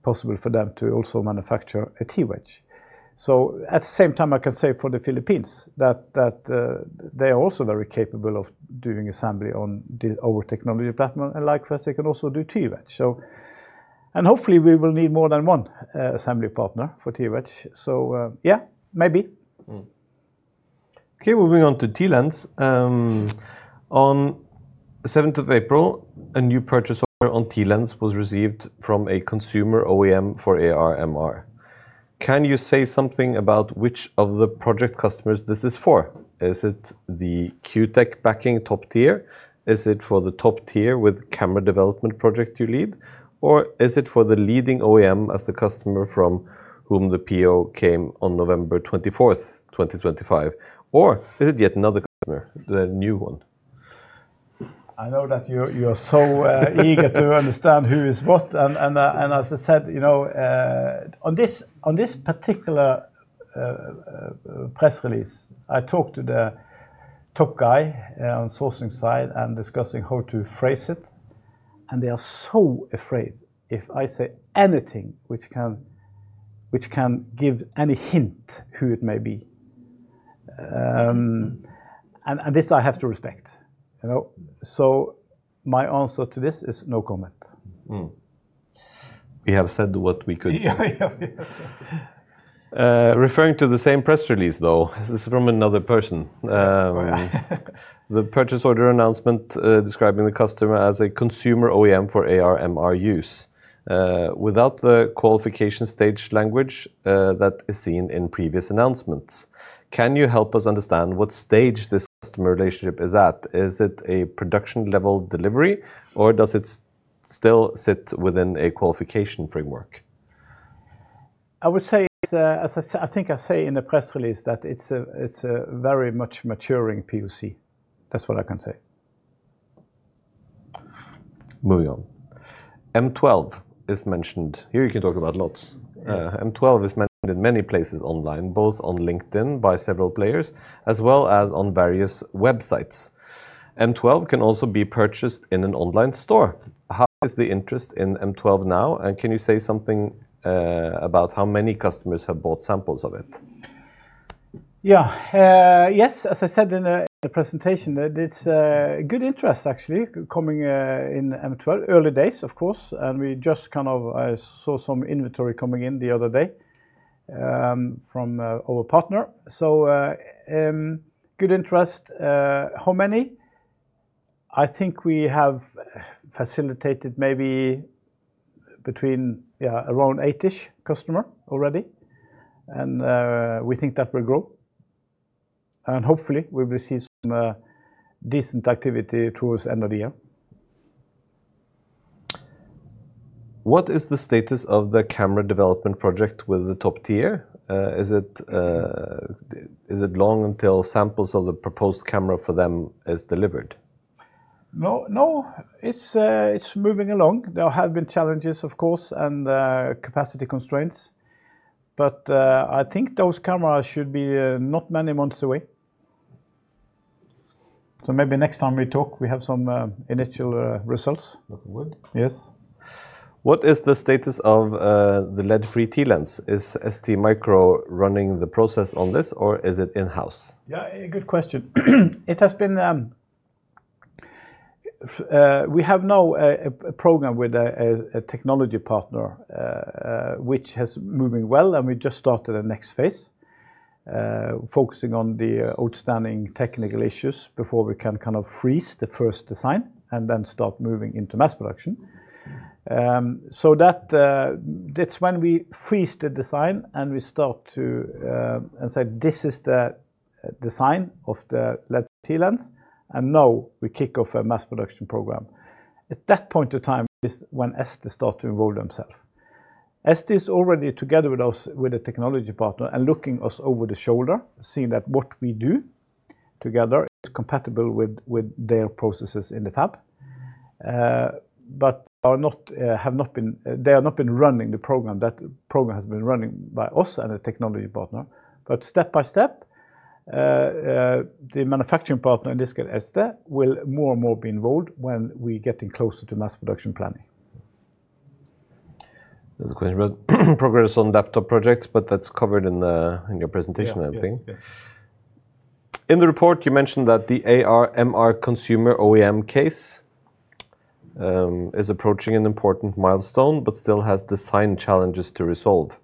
possible for them to also manufacture a TWedge. At the same time, I can say for the Philippines that they are also very capable of doing assembly on our technology platform, and likewise they can also do TWedge. Hopefully we will need more than one, assembly partner for TWedge. yeah, maybe. Okay, moving on to TLens. On 7th of April, a new purchase order on TLens was received from a consumer OEM for AR/MR. Can you say something about which of the project customers this is for? Is it the Q Tech backing top tier? Is it for the top tier with camera development project you lead? Is it for the leading OEM as the customer from whom the PO came on November 24th, 2025? Is it yet another customer, the new one? I know that you're eager to understand who is what. As I said, you know, on this particular press release, I talked to the top guy on sourcing side and discussing how to phrase it, and they are so afraid if I say anything which can give any hint who it may be. This I have to respect, you know. My answer to this is no comment. We have said what we could say. Yeah. Yeah, we have said. Referring to the same press release, though, this is from another person. Yeah. The purchase order announcement, describing the customer as a consumer OEM for AR/MR use, without the qualification stage language, that is seen in previous announcements. Can you help us understand what stage this customer relationship is at? Is it a production-level delivery, or does it still sit within a qualification framework? I would say it's as I think I say in the press release that it's a very much maturing POC. That's what I can say. Moving on. M12 is mentioned. Here you can talk about lots. Yes. M12 is mentioned in many places online, both on LinkedIn by several players as well as on various websites. M12 can also be purchased in an online store. How is the interest in M12 now, and can you say something about how many customers have bought samples of it? Yes, as I said in the presentation that it's a good interest actually coming in M12. Early days, of course, we just kind of saw some inventory coming in the other day from our partner. Good interest. How many? I think we have facilitated maybe between around eight-ish customer already. We think that will grow. Hopefully we will see some decent activity towards end of the year. What is the status of the camera development project with the top tier? Is it long until samples of the proposed camera for them is delivered? No, no. It's moving along. There have been challenges, of course, and capacity constraints. I think those cameras should be not many months away. Maybe next time we talk, we have some initial results. That would. Yes. What is the status of the lead-free TLens? Is STMicro running the process on this, or is it in-house? A good question. It has been, we have now a program with a technology partner, which has moving well, we just started the next phase, focusing on the outstanding technical issues before we can kind of freeze the first design start moving into mass production. That's when we freeze the design we start to say, "This is the design of the lead-free TLens, we kick off a mass production program." At that point of time is when ST start to involve themself. ST is already together with us with a technology partner and looking us over the shoulder, seeing that what we do together is compatible with their processes in the fab. Are not, they have not been running the program. That program has been running by us and the technology partner. Step by step, the manufacturing partner, in this case ST, will more and more be involved when we getting closer to mass production planning. There's a question about progress on that top project. That's covered in your presentation, I think. Yeah. Yes, yes. In the report, you mentioned that the AR/MR consumer OEM case, is approaching an important milestone but still has design challenges to resolve.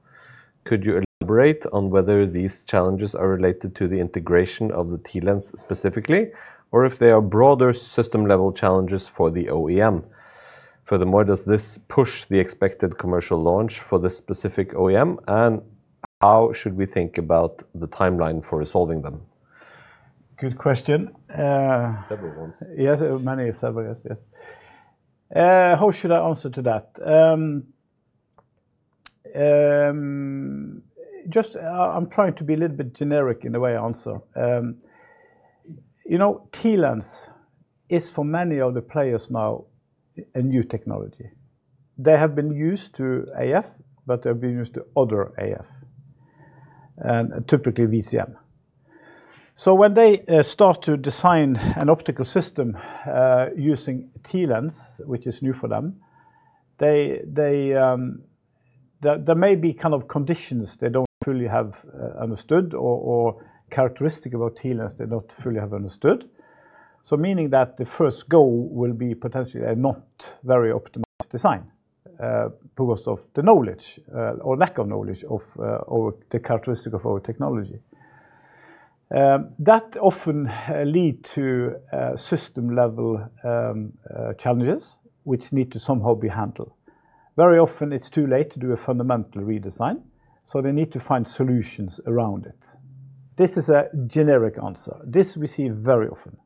Could you elaborate on whether these challenges are related to the integration of the TLens specifically, or if they are broader system-level challenges for the OEM? Furthermore, does this push the expected commercial launch for this specific OEM, and how should we think about the timeline for resolving them? Good question. Several ones. Yes, many, several. Yes, yes. How should I answer to that? Just, I'm trying to be a little bit generic in the way I answer. You know, TLens is for many of the players now a new technology. They have been used to AF, but they've been used to other AF. Typically VCM. When they start to design an optical system, using TLens, which is new for them, they, there may be kind of conditions they don't fully have understood or characteristic about TLens they don't fully have understood. Meaning that the first go will be potentially a not very optimized design, because of the knowledge or lack of knowledge of or the characteristic of our technology. That often lead to system-level challenges which need to somehow be handled. Very often it's too late to do a fundamental redesign, they need to find solutions around it. This is a generic answer. This we see very often,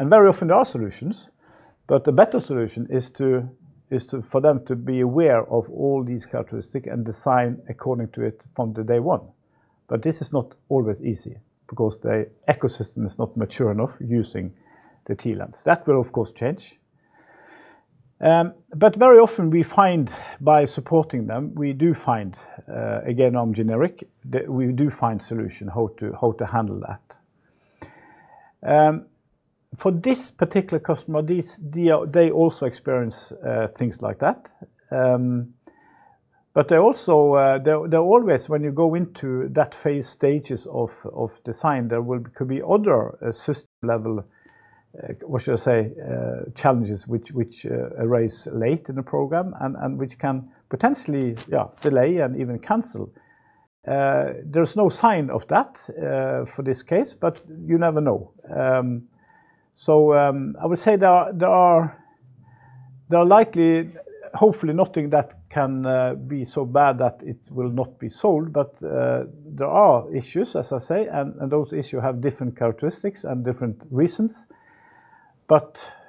very often there are solutions, the better solution is to for them to be aware of all these characteristic and design according to it from the day one. This is not always easy because the ecosystem is not mature enough using the TLens. That will of course change. Very often we find by supporting them, we do find, again, I'm generic, the, we do find solution how to handle that. For this particular customer, these, the, they also experience things like that. They also, they're always when you go into that phase stages of design, there could be other system-level challenges which arise late in the program and which can potentially delay and even cancel. There's no sign of that for this case, you never know. I would say there are likely, hopefully nothing that can be so bad that it will not be sold. There are issues, as I say, and those issue have different characteristics and different reasons,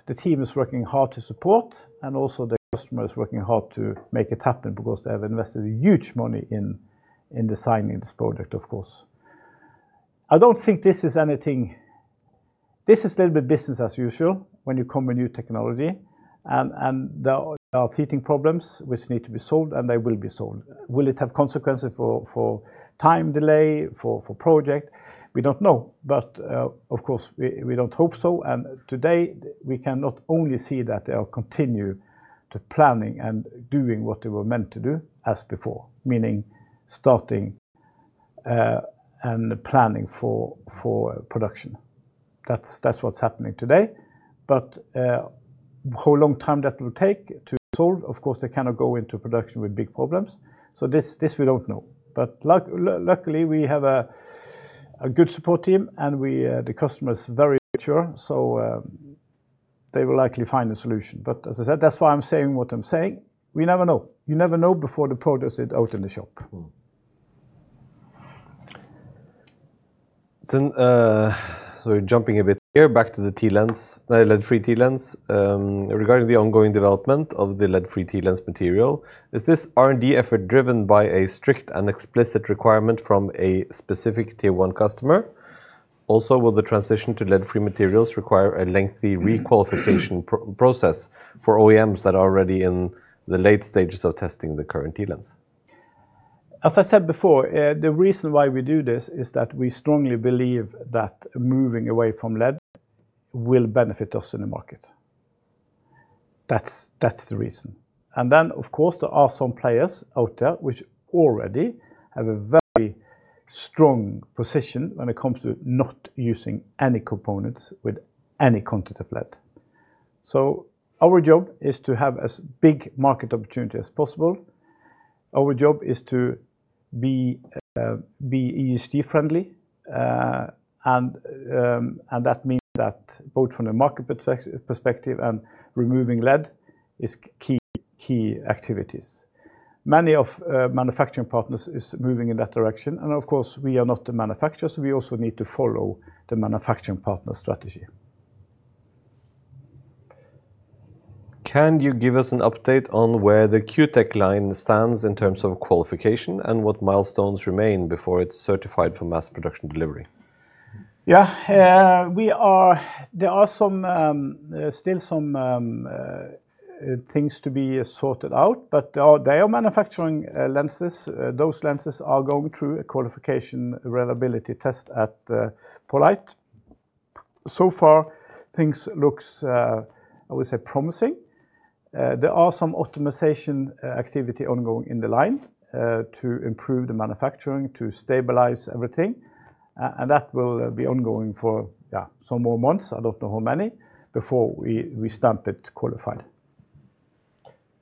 the team is working hard to support and also the customer is working hard to make it happen because they have invested huge money in designing this product, of course. This is a little bit business as usual when you come with new technology, and there are fitting problems which need to be solved, and they will be solved. Will it have consequences for time delay, for project? We don't know. Of course we don't hope so, and today we can not only see that they are continue to planning and doing what they were meant to do as before, meaning starting and planning for production. That's what's happening today. How long time that will take to solve, of course, they cannot go into production with big problems. This we don't know. Luckily we have a good support team and we the customer is very mature, so they will likely find a solution. As I said, that's why I'm saying what I'm saying. We never know. You never know before the product is out in the shop. Jumping a bit here back to the TLens, the lead-free TLens. Regarding the ongoing development of the lead-free TLens material, is this R&D effort driven by a strict and explicit requirement from a specific tier one customer? Will the transition to lead-free materials require a lengthy requalification process for OEMs that are already in the late stages of testing the current TLens? As I said before, the reason why we do this is that we strongly believe that moving away from lead will benefit us in the market. That's the reason. Of course, there are some players out there which already have a very strong position when it comes to not using any components with any content of lead. Our job is to have as big market opportunity as possible. Our job is to be ESG friendly. That means that both from the market perspective and removing lead is key activities. Many of manufacturing partners is moving in that direction, and of course, we are not the manufacturers, we also need to follow the manufacturing partner strategy. Can you give us an update on where the Q Tech line stands in terms of qualification and what milestones remain before it's certified for mass production delivery? Yeah. We are, there are still some things to be sorted out, but they are manufacturing lenses. Those lenses are going through a qualification reliability test at poLight. So far things looks, I would say promising. There are some optimization activity ongoing in the line to improve the manufacturing, to stabilize everything. That will be ongoing for, yeah, some more months, I don't know how many, before we stamp it qualified.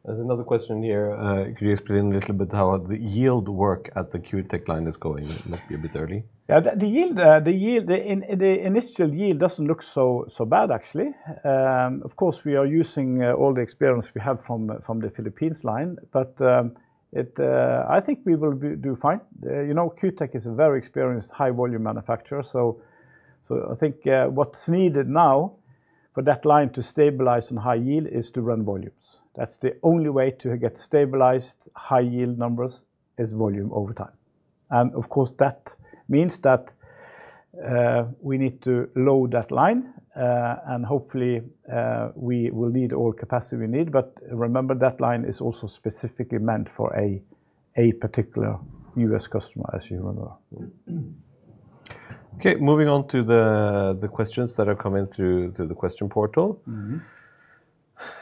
There's another question here. Could you explain a little bit how the yield work at the Q Tech line is going? Maybe a bit early. Yeah. The initial yield doesn't look so bad actually. Of course, we are using all the experience we have from the Philippines line, but I think we will do fine. You know, Q Tech is a very experienced high volume manufacturer. I think what's needed now for that line to stabilize in high yield is to run volumes. That's the only way to get stabilized high yield numbers is volume over time. Of course, that means we need to load that line, and hopefully, we will need all capacity we need. Remember that line is also specifically meant for a particular U.S. customer, as you remember. Okay, moving on to the questions that are coming through the question portal. Mm-hmm.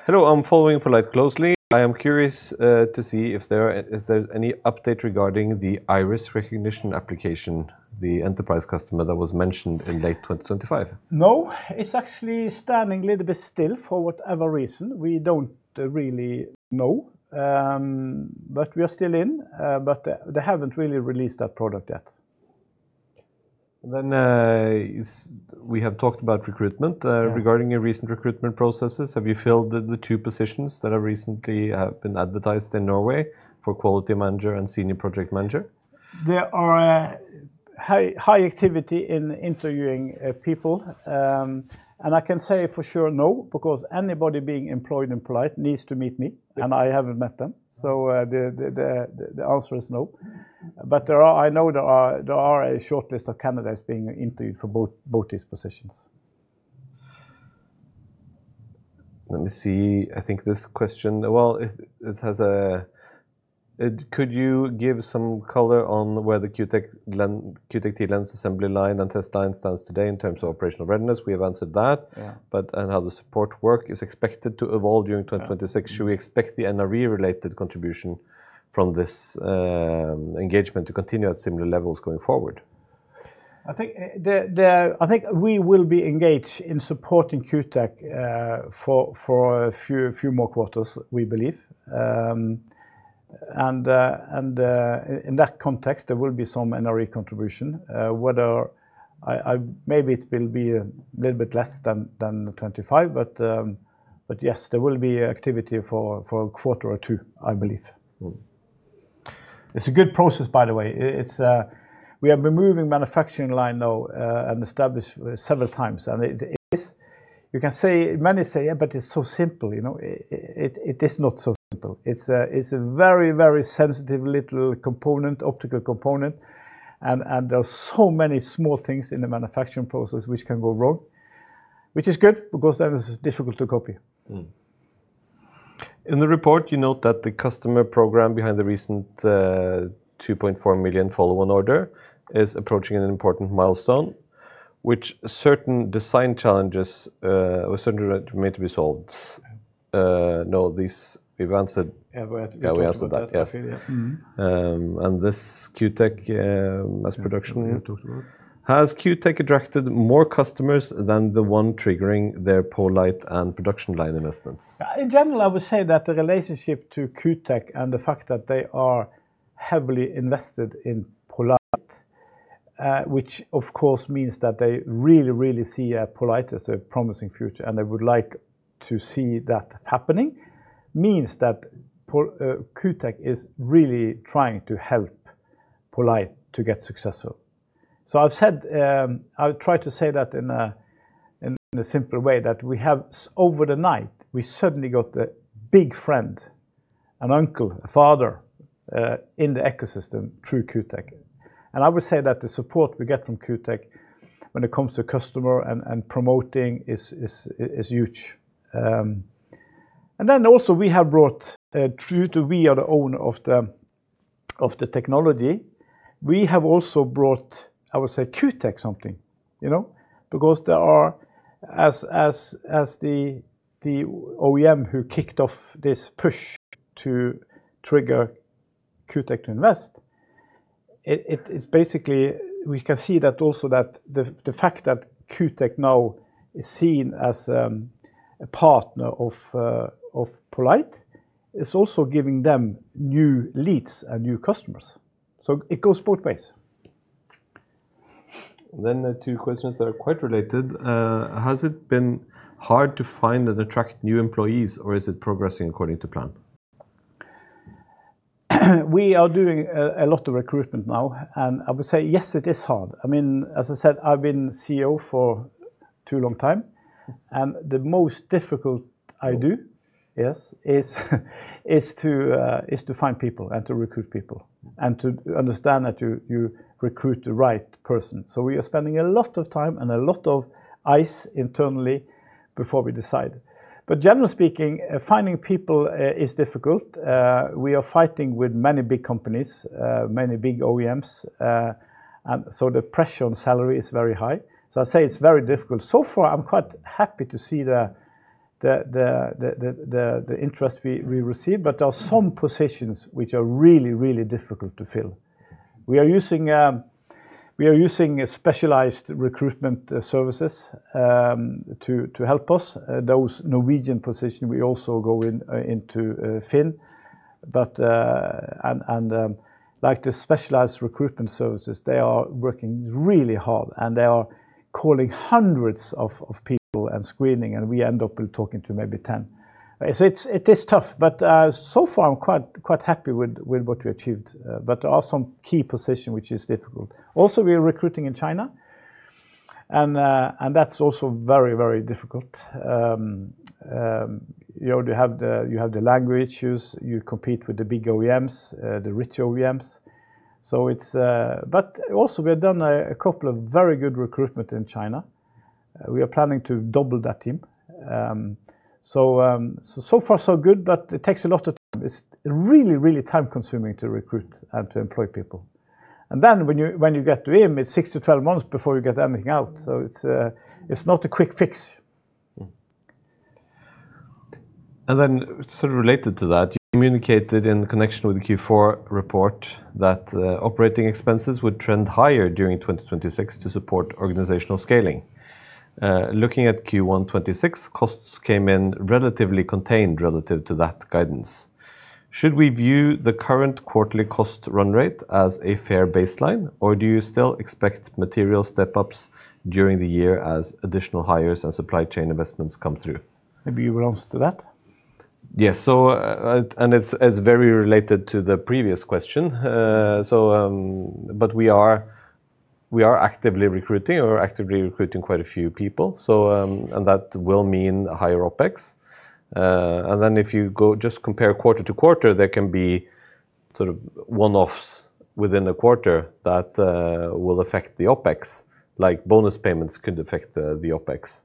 Hello, I'm following poLight closely. I am curious to see if there's any update regarding the Iris recognition application, the enterprise customer that was mentioned in late 2025? No, it's actually standing a little bit still for whatever reason. We don't really know. We are still in, they haven't really released that product yet. We have talked about recruitment. Yeah. Regarding your recent recruitment processes, have you filled the two positions that have recently been advertised in Norway for quality manager and senior project manager? There are high activity in interviewing people. I can say for sure, no, because anybody being employed in poLight needs to meet me. Yeah and I haven't met them. The answer is no. I know there are a short list of candidates being interviewed for both these positions. Let me see. I think this question. Well, could you give some color on where the Q Tech TLens assembly line and test line stands today in terms of operational readiness? We have answered that. Yeah. How the support work is expected to evolve during 2026. Yeah. Should we expect the NRE-related contribution from this engagement to continue at similar levels going forward? I think we will be engaged in supporting Q Tech for a few more quarters, we believe. In that context, there will be some NRE contribution. Maybe it will be a little bit less than 25, yes, there will be activity for a quarter or two, I believe. Mm-hmm. It's a good process, by the way. We have been moving manufacturing line now and established several times, and it is. Many say, "Yeah, but it's so simple," you know. It is not so simple. It's a very, very sensitive little component, optical component, and there's so many small things in the manufacturing process which can go wrong, which is good because then it's difficult to copy. In the report, you note that the customer program behind the recent 2.4 million follow-on order is approaching an important milestone, which certain design challenges were certainly meant to be solved. Yeah. No, these we've answered. Yeah, we have answered that. Yeah, we answered that. Yes. Okay. Yeah. Mm-hmm. This Q Tech mass production. Yeah. We talked about. Has Q Tech attracted more customers than the one triggering their poLight and production line investments? In general, I would say that the relationship to Q Tech and the fact that they are heavily invested in poLight, which of course means that they really, really see, poLight as a promising future and they would like to see that happening, means that Q Tech is really trying to help poLight to get successful. So I've said, I've tried to say that in a, in a simple way, that we have, over the night, we suddenly got a big friend, an uncle, a father, in the ecosystem through Q Tech. I would say that the support we get from Q Tech when it comes to customer and promoting is, is huge. Also we have brought, through to we are the owner of the, of the technology, we have also brought, I would say, Q Tech something, you know. As the OEM who kicked off this push to trigger Q Tech to invest, it is basically, we can see that also that the fact that Q Tech now is seen as a partner of poLight, it's also giving them new leads and new customers. It goes both ways. The two questions that are quite related. Has it been hard to find and attract new employees, or is it progressing according to plan? We are doing a lot of recruitment now, and I would say yes, it is hard. I mean, as I said, I've been CEO for too long time, and the most difficult. Role. yes, is to find people and to recruit people and to understand that you recruit the right person. We are spending a lot of time and a lot of eyes internally before we decide. Generally speaking, finding people is difficult. We are fighting with many big companies, many big OEMs, the pressure on salary is very high. I'd say it's very difficult. Far, I'm quite happy to see the interest we receive, but there are some positions which are really, really difficult to fill. We are using specialized recruitment services to help us. Those Norwegian position, we also go in into FINN. Like the specialized recruitment services, they are working really hard, and they are calling hundreds of people and screening, and we end up talking to maybe 10. It's, it is tough, but so far, I'm quite happy with what we achieved. There are some key position which is difficult. Also, we are recruiting in China. That's also very difficult. You know, they have the, you have the language use. You compete with the big OEMs, the rich OEMs. Also we have done a couple of very good recruitment in China. We are planning to double that team. So far so good, but it takes a lot of time. It's really time-consuming to recruit, to employ people. When you get to him, it's 6-12 months before you get anything out. It's not a quick fix. Sort of related to that, you communicated in connection with the Q4 report that operating expenses would trend higher during 2026 to support organizational scaling. Looking at Q1 2026, costs came in relatively contained relative to that guidance. Should we view the current quarterly cost run rate as a fair baseline, or do you still expect material step-ups during the year as additional hires and supply chain investments come through? Maybe you will answer to that. Yes. It's very related to the previous question. We are actively recruiting quite a few people, that will mean higher OpEx. If you go just compare quarter to quarter, there can be sort of one-offs within the quarter that will affect the OpEx, like bonus payments could affect the OpEx.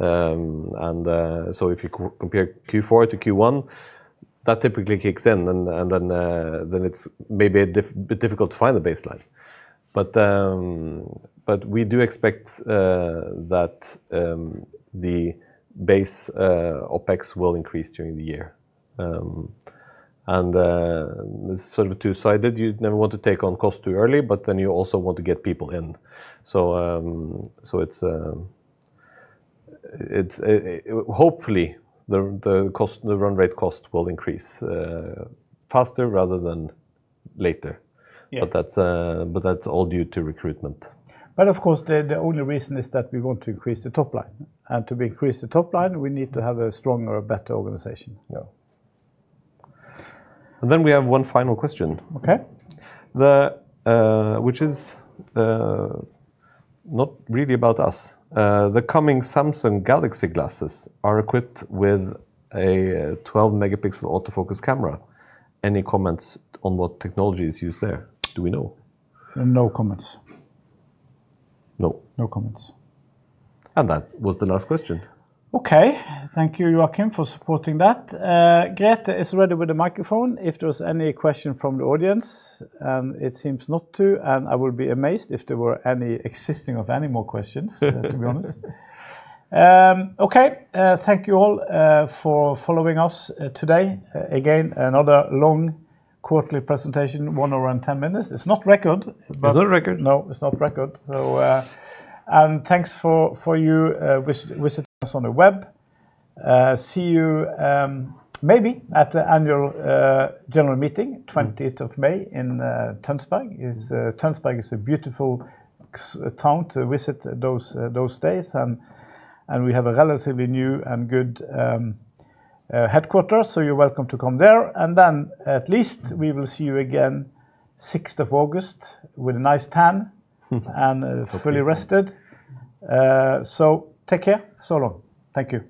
If you compare Q4 to Q1, that typically kicks in, and then it's maybe a bit difficult to find the baseline. We do expect that the base OpEx will increase during the year. It's sort of two-sided. You never want to take on cost too early, but then you also want to get people in. It's, hopefully the cost, the run rate cost will increase faster rather than later. Yeah. That's all due to recruitment. Of course, the only reason is that we want to increase the top line. To increase the top line, we need to have a stronger, better organization. Yeah. Then we have one final question. Okay. The, which is not really about us. The coming Samsung Galaxy glasses are equipped with a 12-megapixel autofocus camera. Any comments on what technology is used there? Do we know? No comments. No? No comments. That was the last question. Okay. Thank you, Joakim, for supporting that. Grethe is ready with the microphone if there's any question from the audience. It seems not to. I would be amazed if there were any existing of any more questions to be honest. Okay. Thank you all for following us today. Again, another long quarterly presentation, one around 10 minutes. It's not record, but. Is that a record? No, it's not record. Thanks for you visiting us on the web. See you maybe at the annual general meeting. Mm... 20th of May in Tønsberg. Tønsberg is a beautiful town to visit those days. We have a relatively new and good headquarters. You're welcome to come there. At least we will see you again 6th of August. Okay fully rested. take care. So long. Thank you.